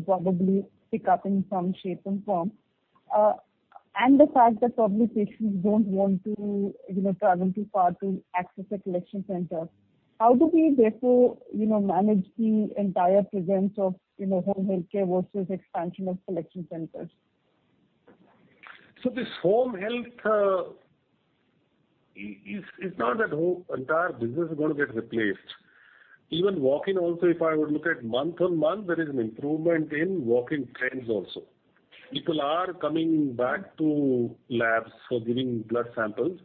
probably pick up in some shape and form, the fact that probably patients don't want to travel too far to access a collection center. How do we therefore manage the entire presence of home health care versus expansion of collection centers? This home health, it's not that whole entire business is going to get replaced. Even walk-in also, if I would look at month-on-month, there is an improvement in walk-in trends also. People are coming back to labs for giving blood samples,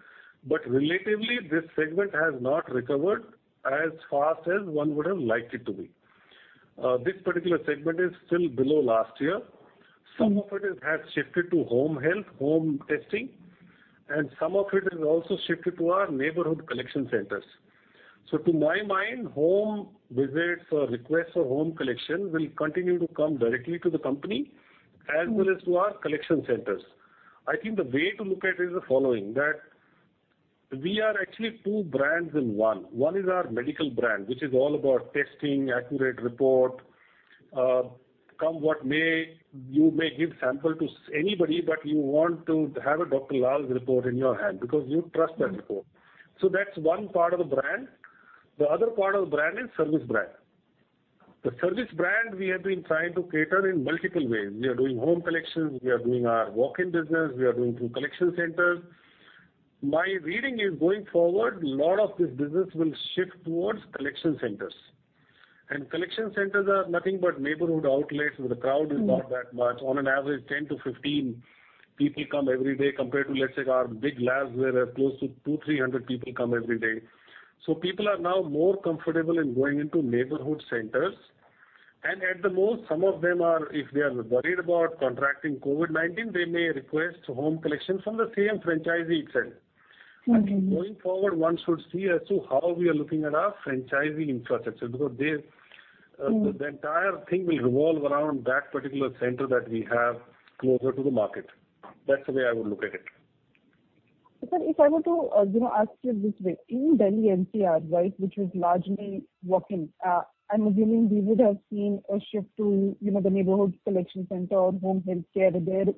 but relatively this segment has not recovered as fast as one would have liked it to be. This particular segment is still below last year. Some of it has shifted to home health, home testing, and some of it is also shifted to our neighborhood collection centers. To my mind, home visits or requests for home collection will continue to come directly to the company as well as to our collection centers. I think the way to look at it is the following, that we are actually two brands in one. One is our medical brand, which is all about testing, accurate report. Come what may, you may give sample to anybody, but you want to have a Dr. Lal's report in your hand because you trust that report. That's one part of the brand. The other part of the brand is service brand. The service brand we have been trying to cater in multiple ways. We are doing home collections. We are doing our walk-in business. We are doing through collection centers. My reading is going forward, lot of this business will shift towards collection centers. Collection centers are nothing but neighborhood outlets where the crowd is not that much. On an average, 10 to 15 people come every day compared to, let's say, our big labs where close to 200, 300 people come every day. People are now more comfortable in going into neighborhood centers. At the most, some of them are, if they are worried about contracting COVID-19, they may request home collection from the same franchisee itself. Okay. Going forward, one should see as to how we are looking at our franchisee infrastructure, because the entire thing will revolve around that particular center that we have closer to the market. That is the way I would look at it. Sir, if I were to ask you this way. In Delhi NCR, which was largely walk-in, I'm assuming we would have seen a shift to the neighborhood collection center or home healthcare there,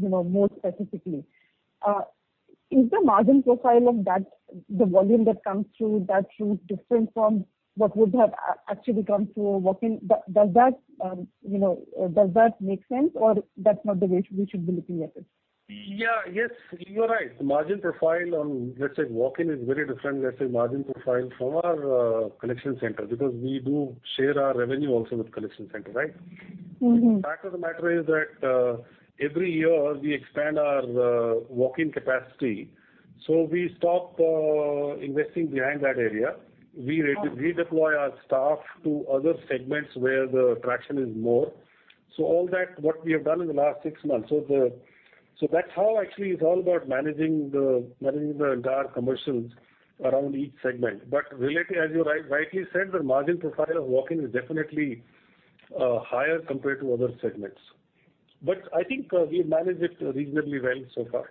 more specifically. Is the margin profile of the volume that comes through that route different from what would have actually come through a walk-in? Does that make sense, or that is not the way we should be looking at it? Yes, you are right. The margin profile on let's say walk-in is very different, let's say, margin profile from our collection center, because we do share our revenue also with collection center, right? Fact of the matter is that every year we expand our walk-in capacity, so we stop investing behind that area. We redeploy our staff to other segments where the traction is more. All that, what we have done in the last six months. That's how actually it's all about managing the entire commercials around each segment. As you rightly said, the margin profile of walk-in is definitely higher compared to other segments. I think we've managed it reasonably well so far.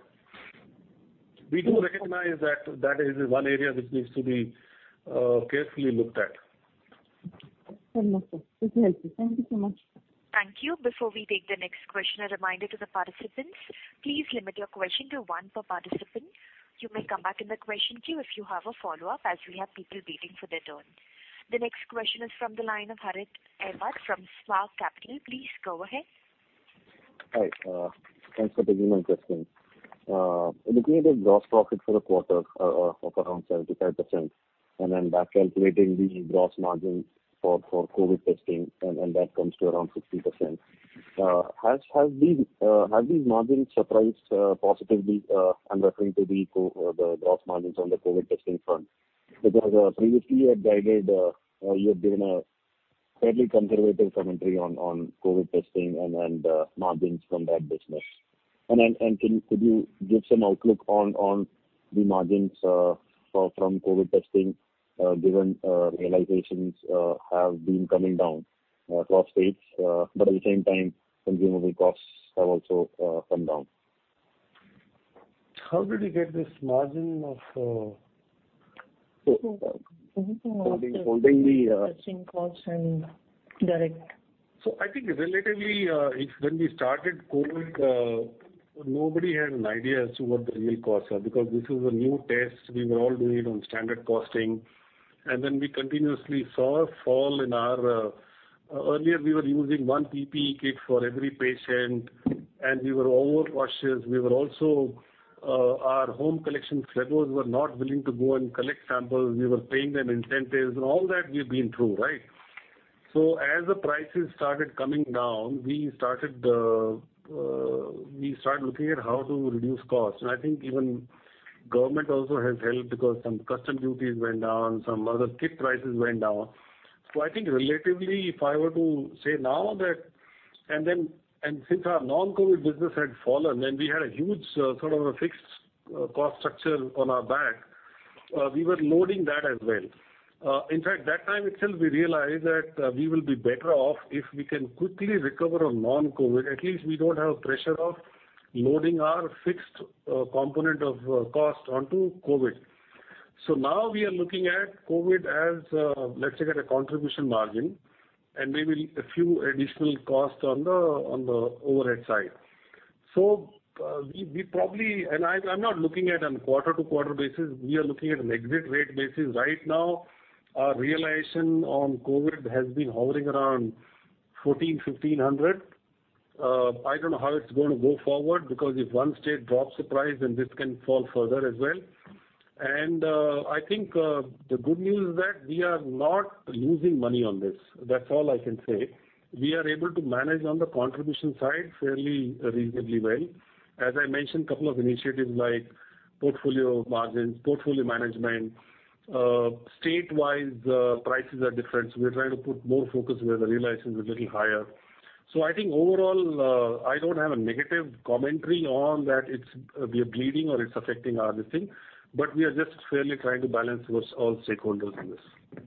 We do recognize that is one area which needs to be carefully looked at. Understood, sir. This helps me. Thank you so much. Thank you. Before we take the next question, a reminder to the participants, please limit your question to one per participant. You may come back in the question queue if you have a follow-up, as we have people waiting for their turn. The next question is from the line of Harith Ahamed from Spark Capital. Please go ahead. Hi. Thanks for the human testing. Looking at the gross profit for the quarter of around 75%, and then back calculating the gross margin for COVID testing, and that comes to around 60%. Have these margins surprised positively? I am referring to the gross margins on the COVID testing front. Previously you had given a fairly conservative commentary on COVID testing and margins from that business. Could you give some outlook on the margins from COVID testing, given realizations have been coming down across states, but at the same time, consumable costs have also come down. How did you get this margin? Anything on the testing costs and direct? I think relatively, when we started COVID, nobody had an idea as to what the real costs are, because this is a new test. We were all doing it on standard costing. We continuously saw a fall in our. Earlier we were using one PPE kit for every patient, and we were overcautious. Our home collection fellows were not willing to go and collect samples. We were paying them incentives, and all that we've been through. As the prices started coming down, we started looking at how to reduce costs, and I think even government also has helped because some custom duties went down, some other kit prices went down. I think relatively, if I were to say now that. Since our non-COVID business had fallen and we had a huge sort of a fixed cost structure on our back, we were loading that as well. In fact, that time itself we realized that we will be better off if we can quickly recover on non-COVID. At least we don't have pressure of loading our fixed component of cost onto COVID. Now we are looking at COVID as, let's say, like a contribution margin and maybe a few additional costs on the overhead side. I'm not looking at on quarter-to-quarter basis. We are looking at an exit rate basis. Right now, our realization on COVID has been hovering around 1,400, 1,500. I don't know how it's going to go forward, because if one state drops the price, then this can fall further as well. I think the good news is that we are not losing money on this. That's all I can say. We are able to manage on the contribution side fairly reasonably well. As I mentioned, couple of initiatives like portfolio margins, portfolio management. State-wise, prices are different, so we are trying to put more focus where the realization is a little higher. I think overall, I don't have a negative commentary on that we are bleeding or it's affecting our this thing, but we are just fairly trying to balance all stakeholders in this.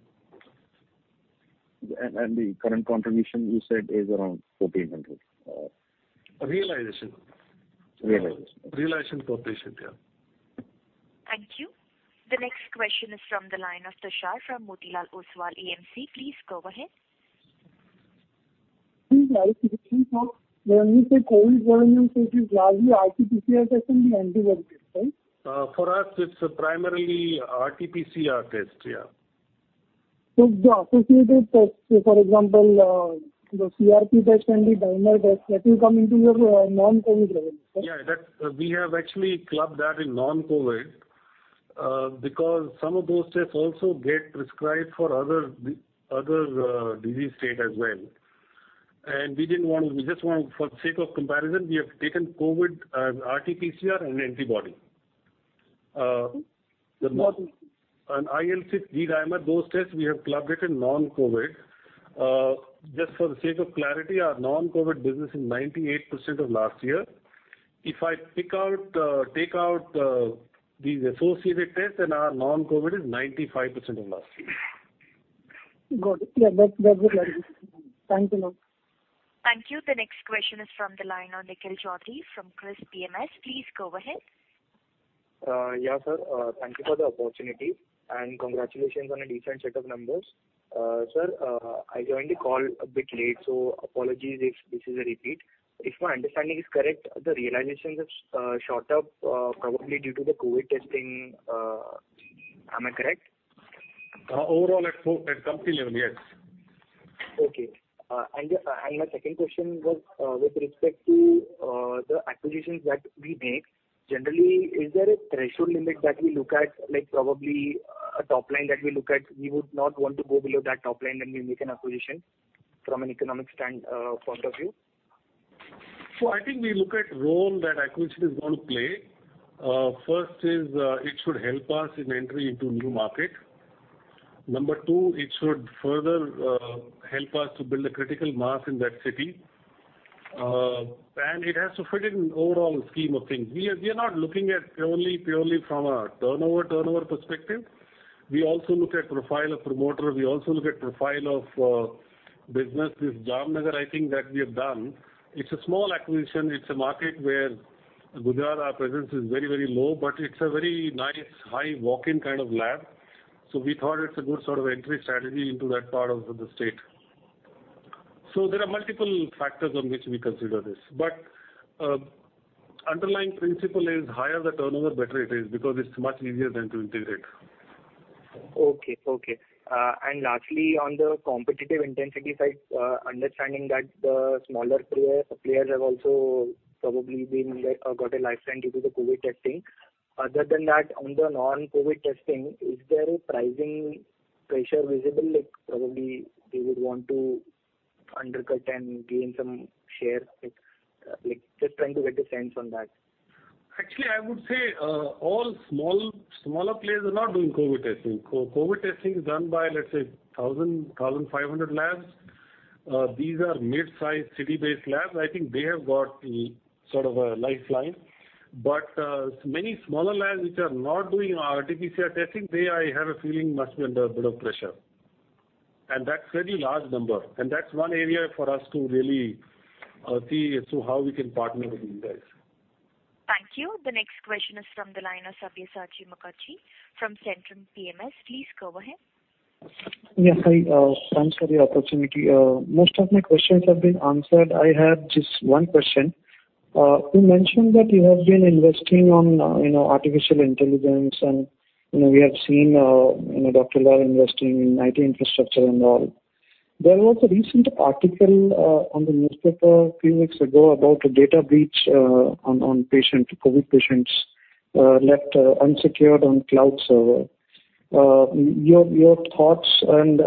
The current contribution you said is around 1,400? Realization. Realization. Realization per patient, yeah. Thank you. The next question is from the line of Tushar from Motilal Oswal AMC. Please go ahead. Tushar here. Sir, when you say COVID volume, it is largely RTPCR testing and the antigen test, right? For us, it's primarily RTPCR test, yeah. The associated tests, for example, the CRP test and the D-dimer test, that will come into your non-COVID revenue, sir? Yeah. We have actually clubbed that in non-COVID. Because some of those tests also get prescribed for other disease state as well. We just want, for the sake of comparison, we have taken COVID RTPCR and antibody. IL-6 D-dimer, those tests we have clubbed it in non-COVID. Just for the sake of clarity, our non-COVID business is 98% of last year. If I take out these associated tests, then our non-COVID is 95% of last year. Got it. Yeah, that's very good. Thank you. Thank you. The next question is from the line of Nikhil Chaudhary from Kris PMS. Please go ahead. Yeah, sir. Thank you for the opportunity. Congratulations on a decent set of numbers. Sir, I joined the call a bit late. Apologies if this is a repeat. If my understanding is correct, the realization is shot up probably due to the COVID testing. Am I correct? Overall, at company level, yes. Okay. My second question was, with respect to the acquisitions that we make, generally, is there a threshold limit that we look at, like probably a top line that we look at, we would not want to go below that top line when we make an acquisition from an economic point of view? I think we look at role that acquisition is going to play. First is, it should help us in entry into new market. Number two, it should further help us to build a critical mass in that city. It has to fit in overall scheme of things. We are not looking at purely from a turnover perspective. We also look at profile of promoter. We also look at profile of business. This Jamnagar, I think, that we have done, it's a small acquisition. It's a market where Gujarat, our presence is very low, but it's a very nice high walk-in kind of lab. We thought it's a good sort of entry strategy into that part of the state. There are multiple factors on which we consider this, but underlying principle is higher the turnover, better it is, because it's much easier then to integrate. Okay. Lastly, on the competitive intensity side, understanding that the smaller players have also probably got a lifeline due to the COVID testing. Other than that, on the non-COVID testing, is there a pricing pressure visible? Like probably they would want to undercut and gain some share. Just trying to get a sense on that. Actually, I would say all smaller players are not doing COVID testing. COVID testing is done by, let's say, 1,000, 1,500 labs. These are mid-size, city-based labs. I think they have got sort of a lifeline. Many smaller labs which are not doing RTPCR testing, they, I have a feeling, must be under a bit of pressure. That's very large number, and that's one area for us to really see as to how we can partner with these guys. Thank you. The next question is from the line of Sabyasachi Mukherjee from Centrum PMS. Please go ahead. Yes, hi. Thanks for the opportunity. Most of my questions have been answered. I have just one question. You mentioned that you have been investing on artificial intelligence, and we have seen Dr. Lal investing in IT infrastructure and all. There was a recent article on the newspaper a few weeks ago about a data breach on COVID patients left unsecured on cloud server. Your thoughts and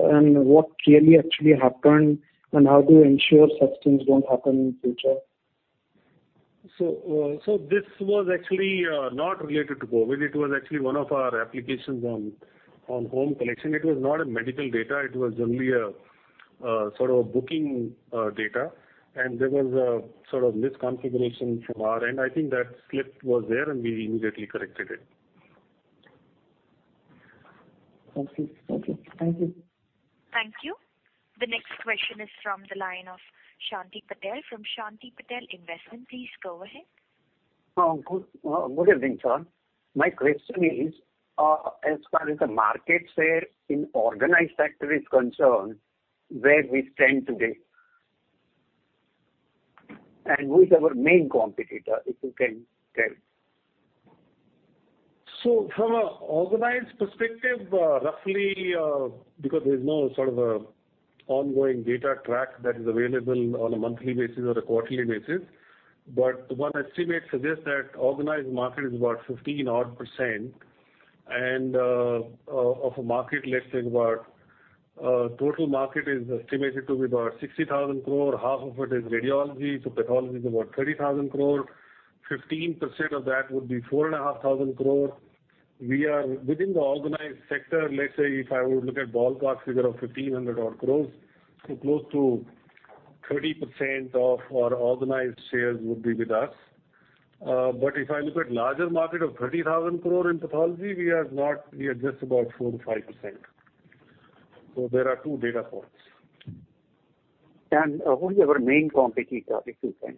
what really actually happened, and how do you ensure such things don't happen in future? This was actually not related to COVID. It was actually one of our applications on home collection. It was not a medical data, it was only a sort of booking data. There was a sort of misconfiguration from our end. I think that slip was there, and we immediately corrected it. Thank you. Thank you. The next question is from the line of Shanti Patel from Shanti Patel Investment. Please go ahead. Good evening, sir. My question is, as far as the market share in organized sector is concerned, where we stand today? Who is our main competitor, if you can tell? From an organized perspective, roughly, because there's no sort of a ongoing data track that is available on a monthly basis or a quarterly basis, but one estimate suggests that organized market is about 15-odd %. Of a market, let's say about total market is estimated to be about 60,000 crore. Half of it is radiology, so pathology is about 30,000 crore. 15% of that would be 4,500 crore. Within the organized sector, let's say if I would look at ballpark figure of 1,500 odd crore, close to 30% of our organized shares would be with us. If I look at larger market of 30,000 crore in pathology, we are just about 4%-5%. There are two data points. Who is our main competitor, if you can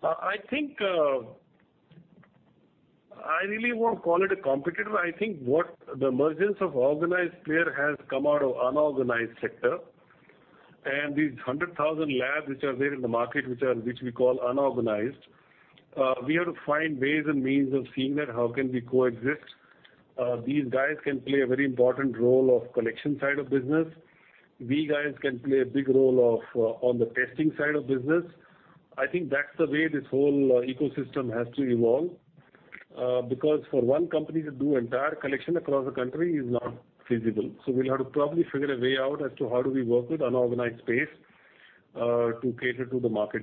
say? I really won't call it a competitor. I think what the emergence of organized player has come out of unorganized sector. These 100,000 labs which are there in the market, which we call unorganized, we have to find ways and means of seeing that how can we coexist. These guys can play a very important role of collection side of business. We guys can play a big role on the testing side of business. I think that's the way this whole ecosystem has to evolve, because for one company to do entire collection across the country is not feasible. We'll have to probably figure a way out as to how do we work with unorganized space, to cater to the market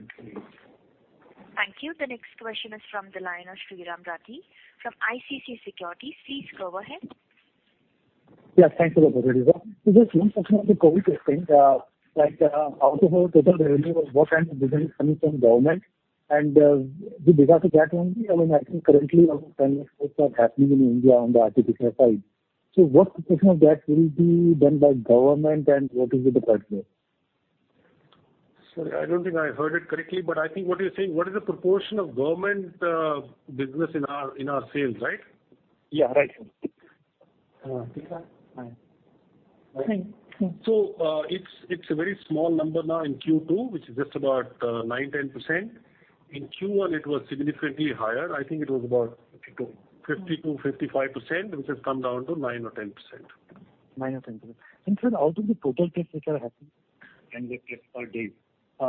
needs. Thank you. The next question is from the line of Sriraam Rathi from ICICI Securities. Please go ahead. Yes, thanks a lot. Just one question on the COVID testing. Out of all total revenue, what kind of business coming from government and the regard to that only, I think currently a lot of clinical trials are happening in India on the RT-PCR side. What proportion of that will be done by government and what is it approximately? Sorry, I don't think I heard it correctly, but I think what you're saying, what is the proportion of government business in our sales, right? Yeah. Right. It's a very small number now in Q2, which is just about nine, 10%. In Q1 it was significantly higher. 52 52%, 55%, which has come down to nine or 10%. Nine or 10%. Sir, out of the total tests which are happening, can get tests per day, how much would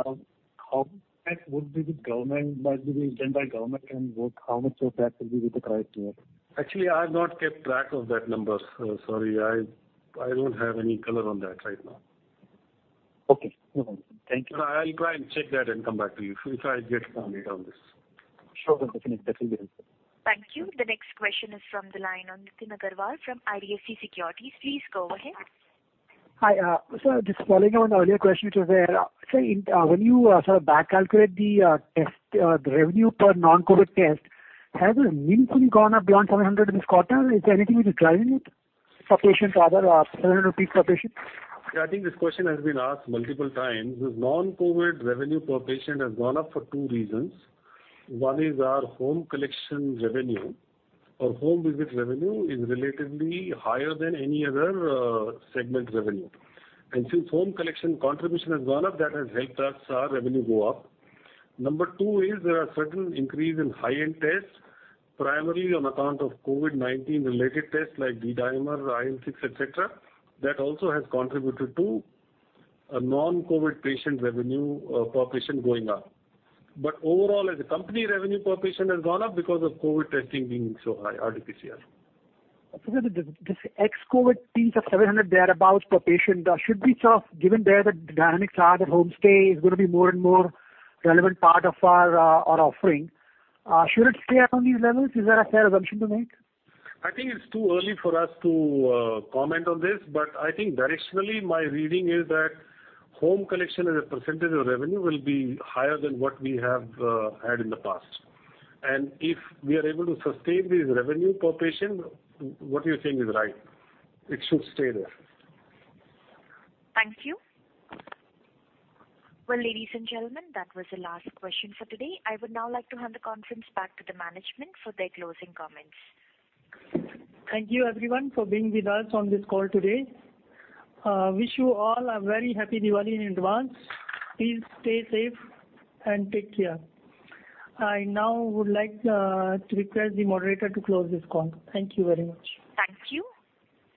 be done by government, and how much of that will be with the private players? Actually, I've not kept track of that number. Sorry, I don't have any color on that right now. Okay. No problem. Thank you. No, I'll try and check that and come back to you if I get some data on this. Sure. Definitely. That will be helpful. Thank you. The next question is from the line of Nitin Aggarwal from IDFC Securities. Please go ahead. Hi. Sir, just following on earlier question, which was there. Sir, when you sort of back calculate the revenue per non-COVID test, has it meaningfully gone up beyond 700 this quarter? Is there anything which is driving it? Per patient, rather, 700 rupees per patient. Yeah, I think this question has been asked multiple times. This non-COVID revenue per patient has gone up for two reasons. One is our home collection revenue or home visit revenue is relatively higher than any other segment revenue. Since home collection contribution has gone up, that has helped our revenue go up. Number two is there are certain increase in high-end tests, primarily on account of COVID-19-related tests like D-dimer, IL-6, et cetera. That also has contributed to a non-COVID patient revenue per patient going up. Overall, as a company, revenue per patient has gone up because of COVID testing being so high, RT-PCR. Sir, this ex-COVID piece of 700 thereabouts per patient, should we sort of given there the dynamics are that home stay is going to be more and more relevant part of our offering? Should it stay up on these levels? Is that a fair assumption to make? I think it's too early for us to comment on this, I think directionally, my reading is that home collection as a percentage of revenue will be higher than what we have had in the past. If we are able to sustain this revenue per patient, what you're saying is right. It should stay there. Thank you. Well, ladies and gentlemen, that was the last question for today. I would now like to hand the conference back to the management for their closing comments. Thank you, everyone, for being with us on this call today. Wish you all a very happy Diwali in advance. Please stay safe and take care. I now would like to request the moderator to close this call. Thank you very much. Thank you.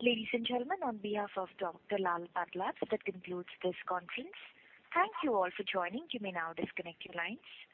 Ladies and gentlemen, on behalf of Dr. Lal PathLabs, that concludes this conference. Thank you all for joining. You may now disconnect your lines.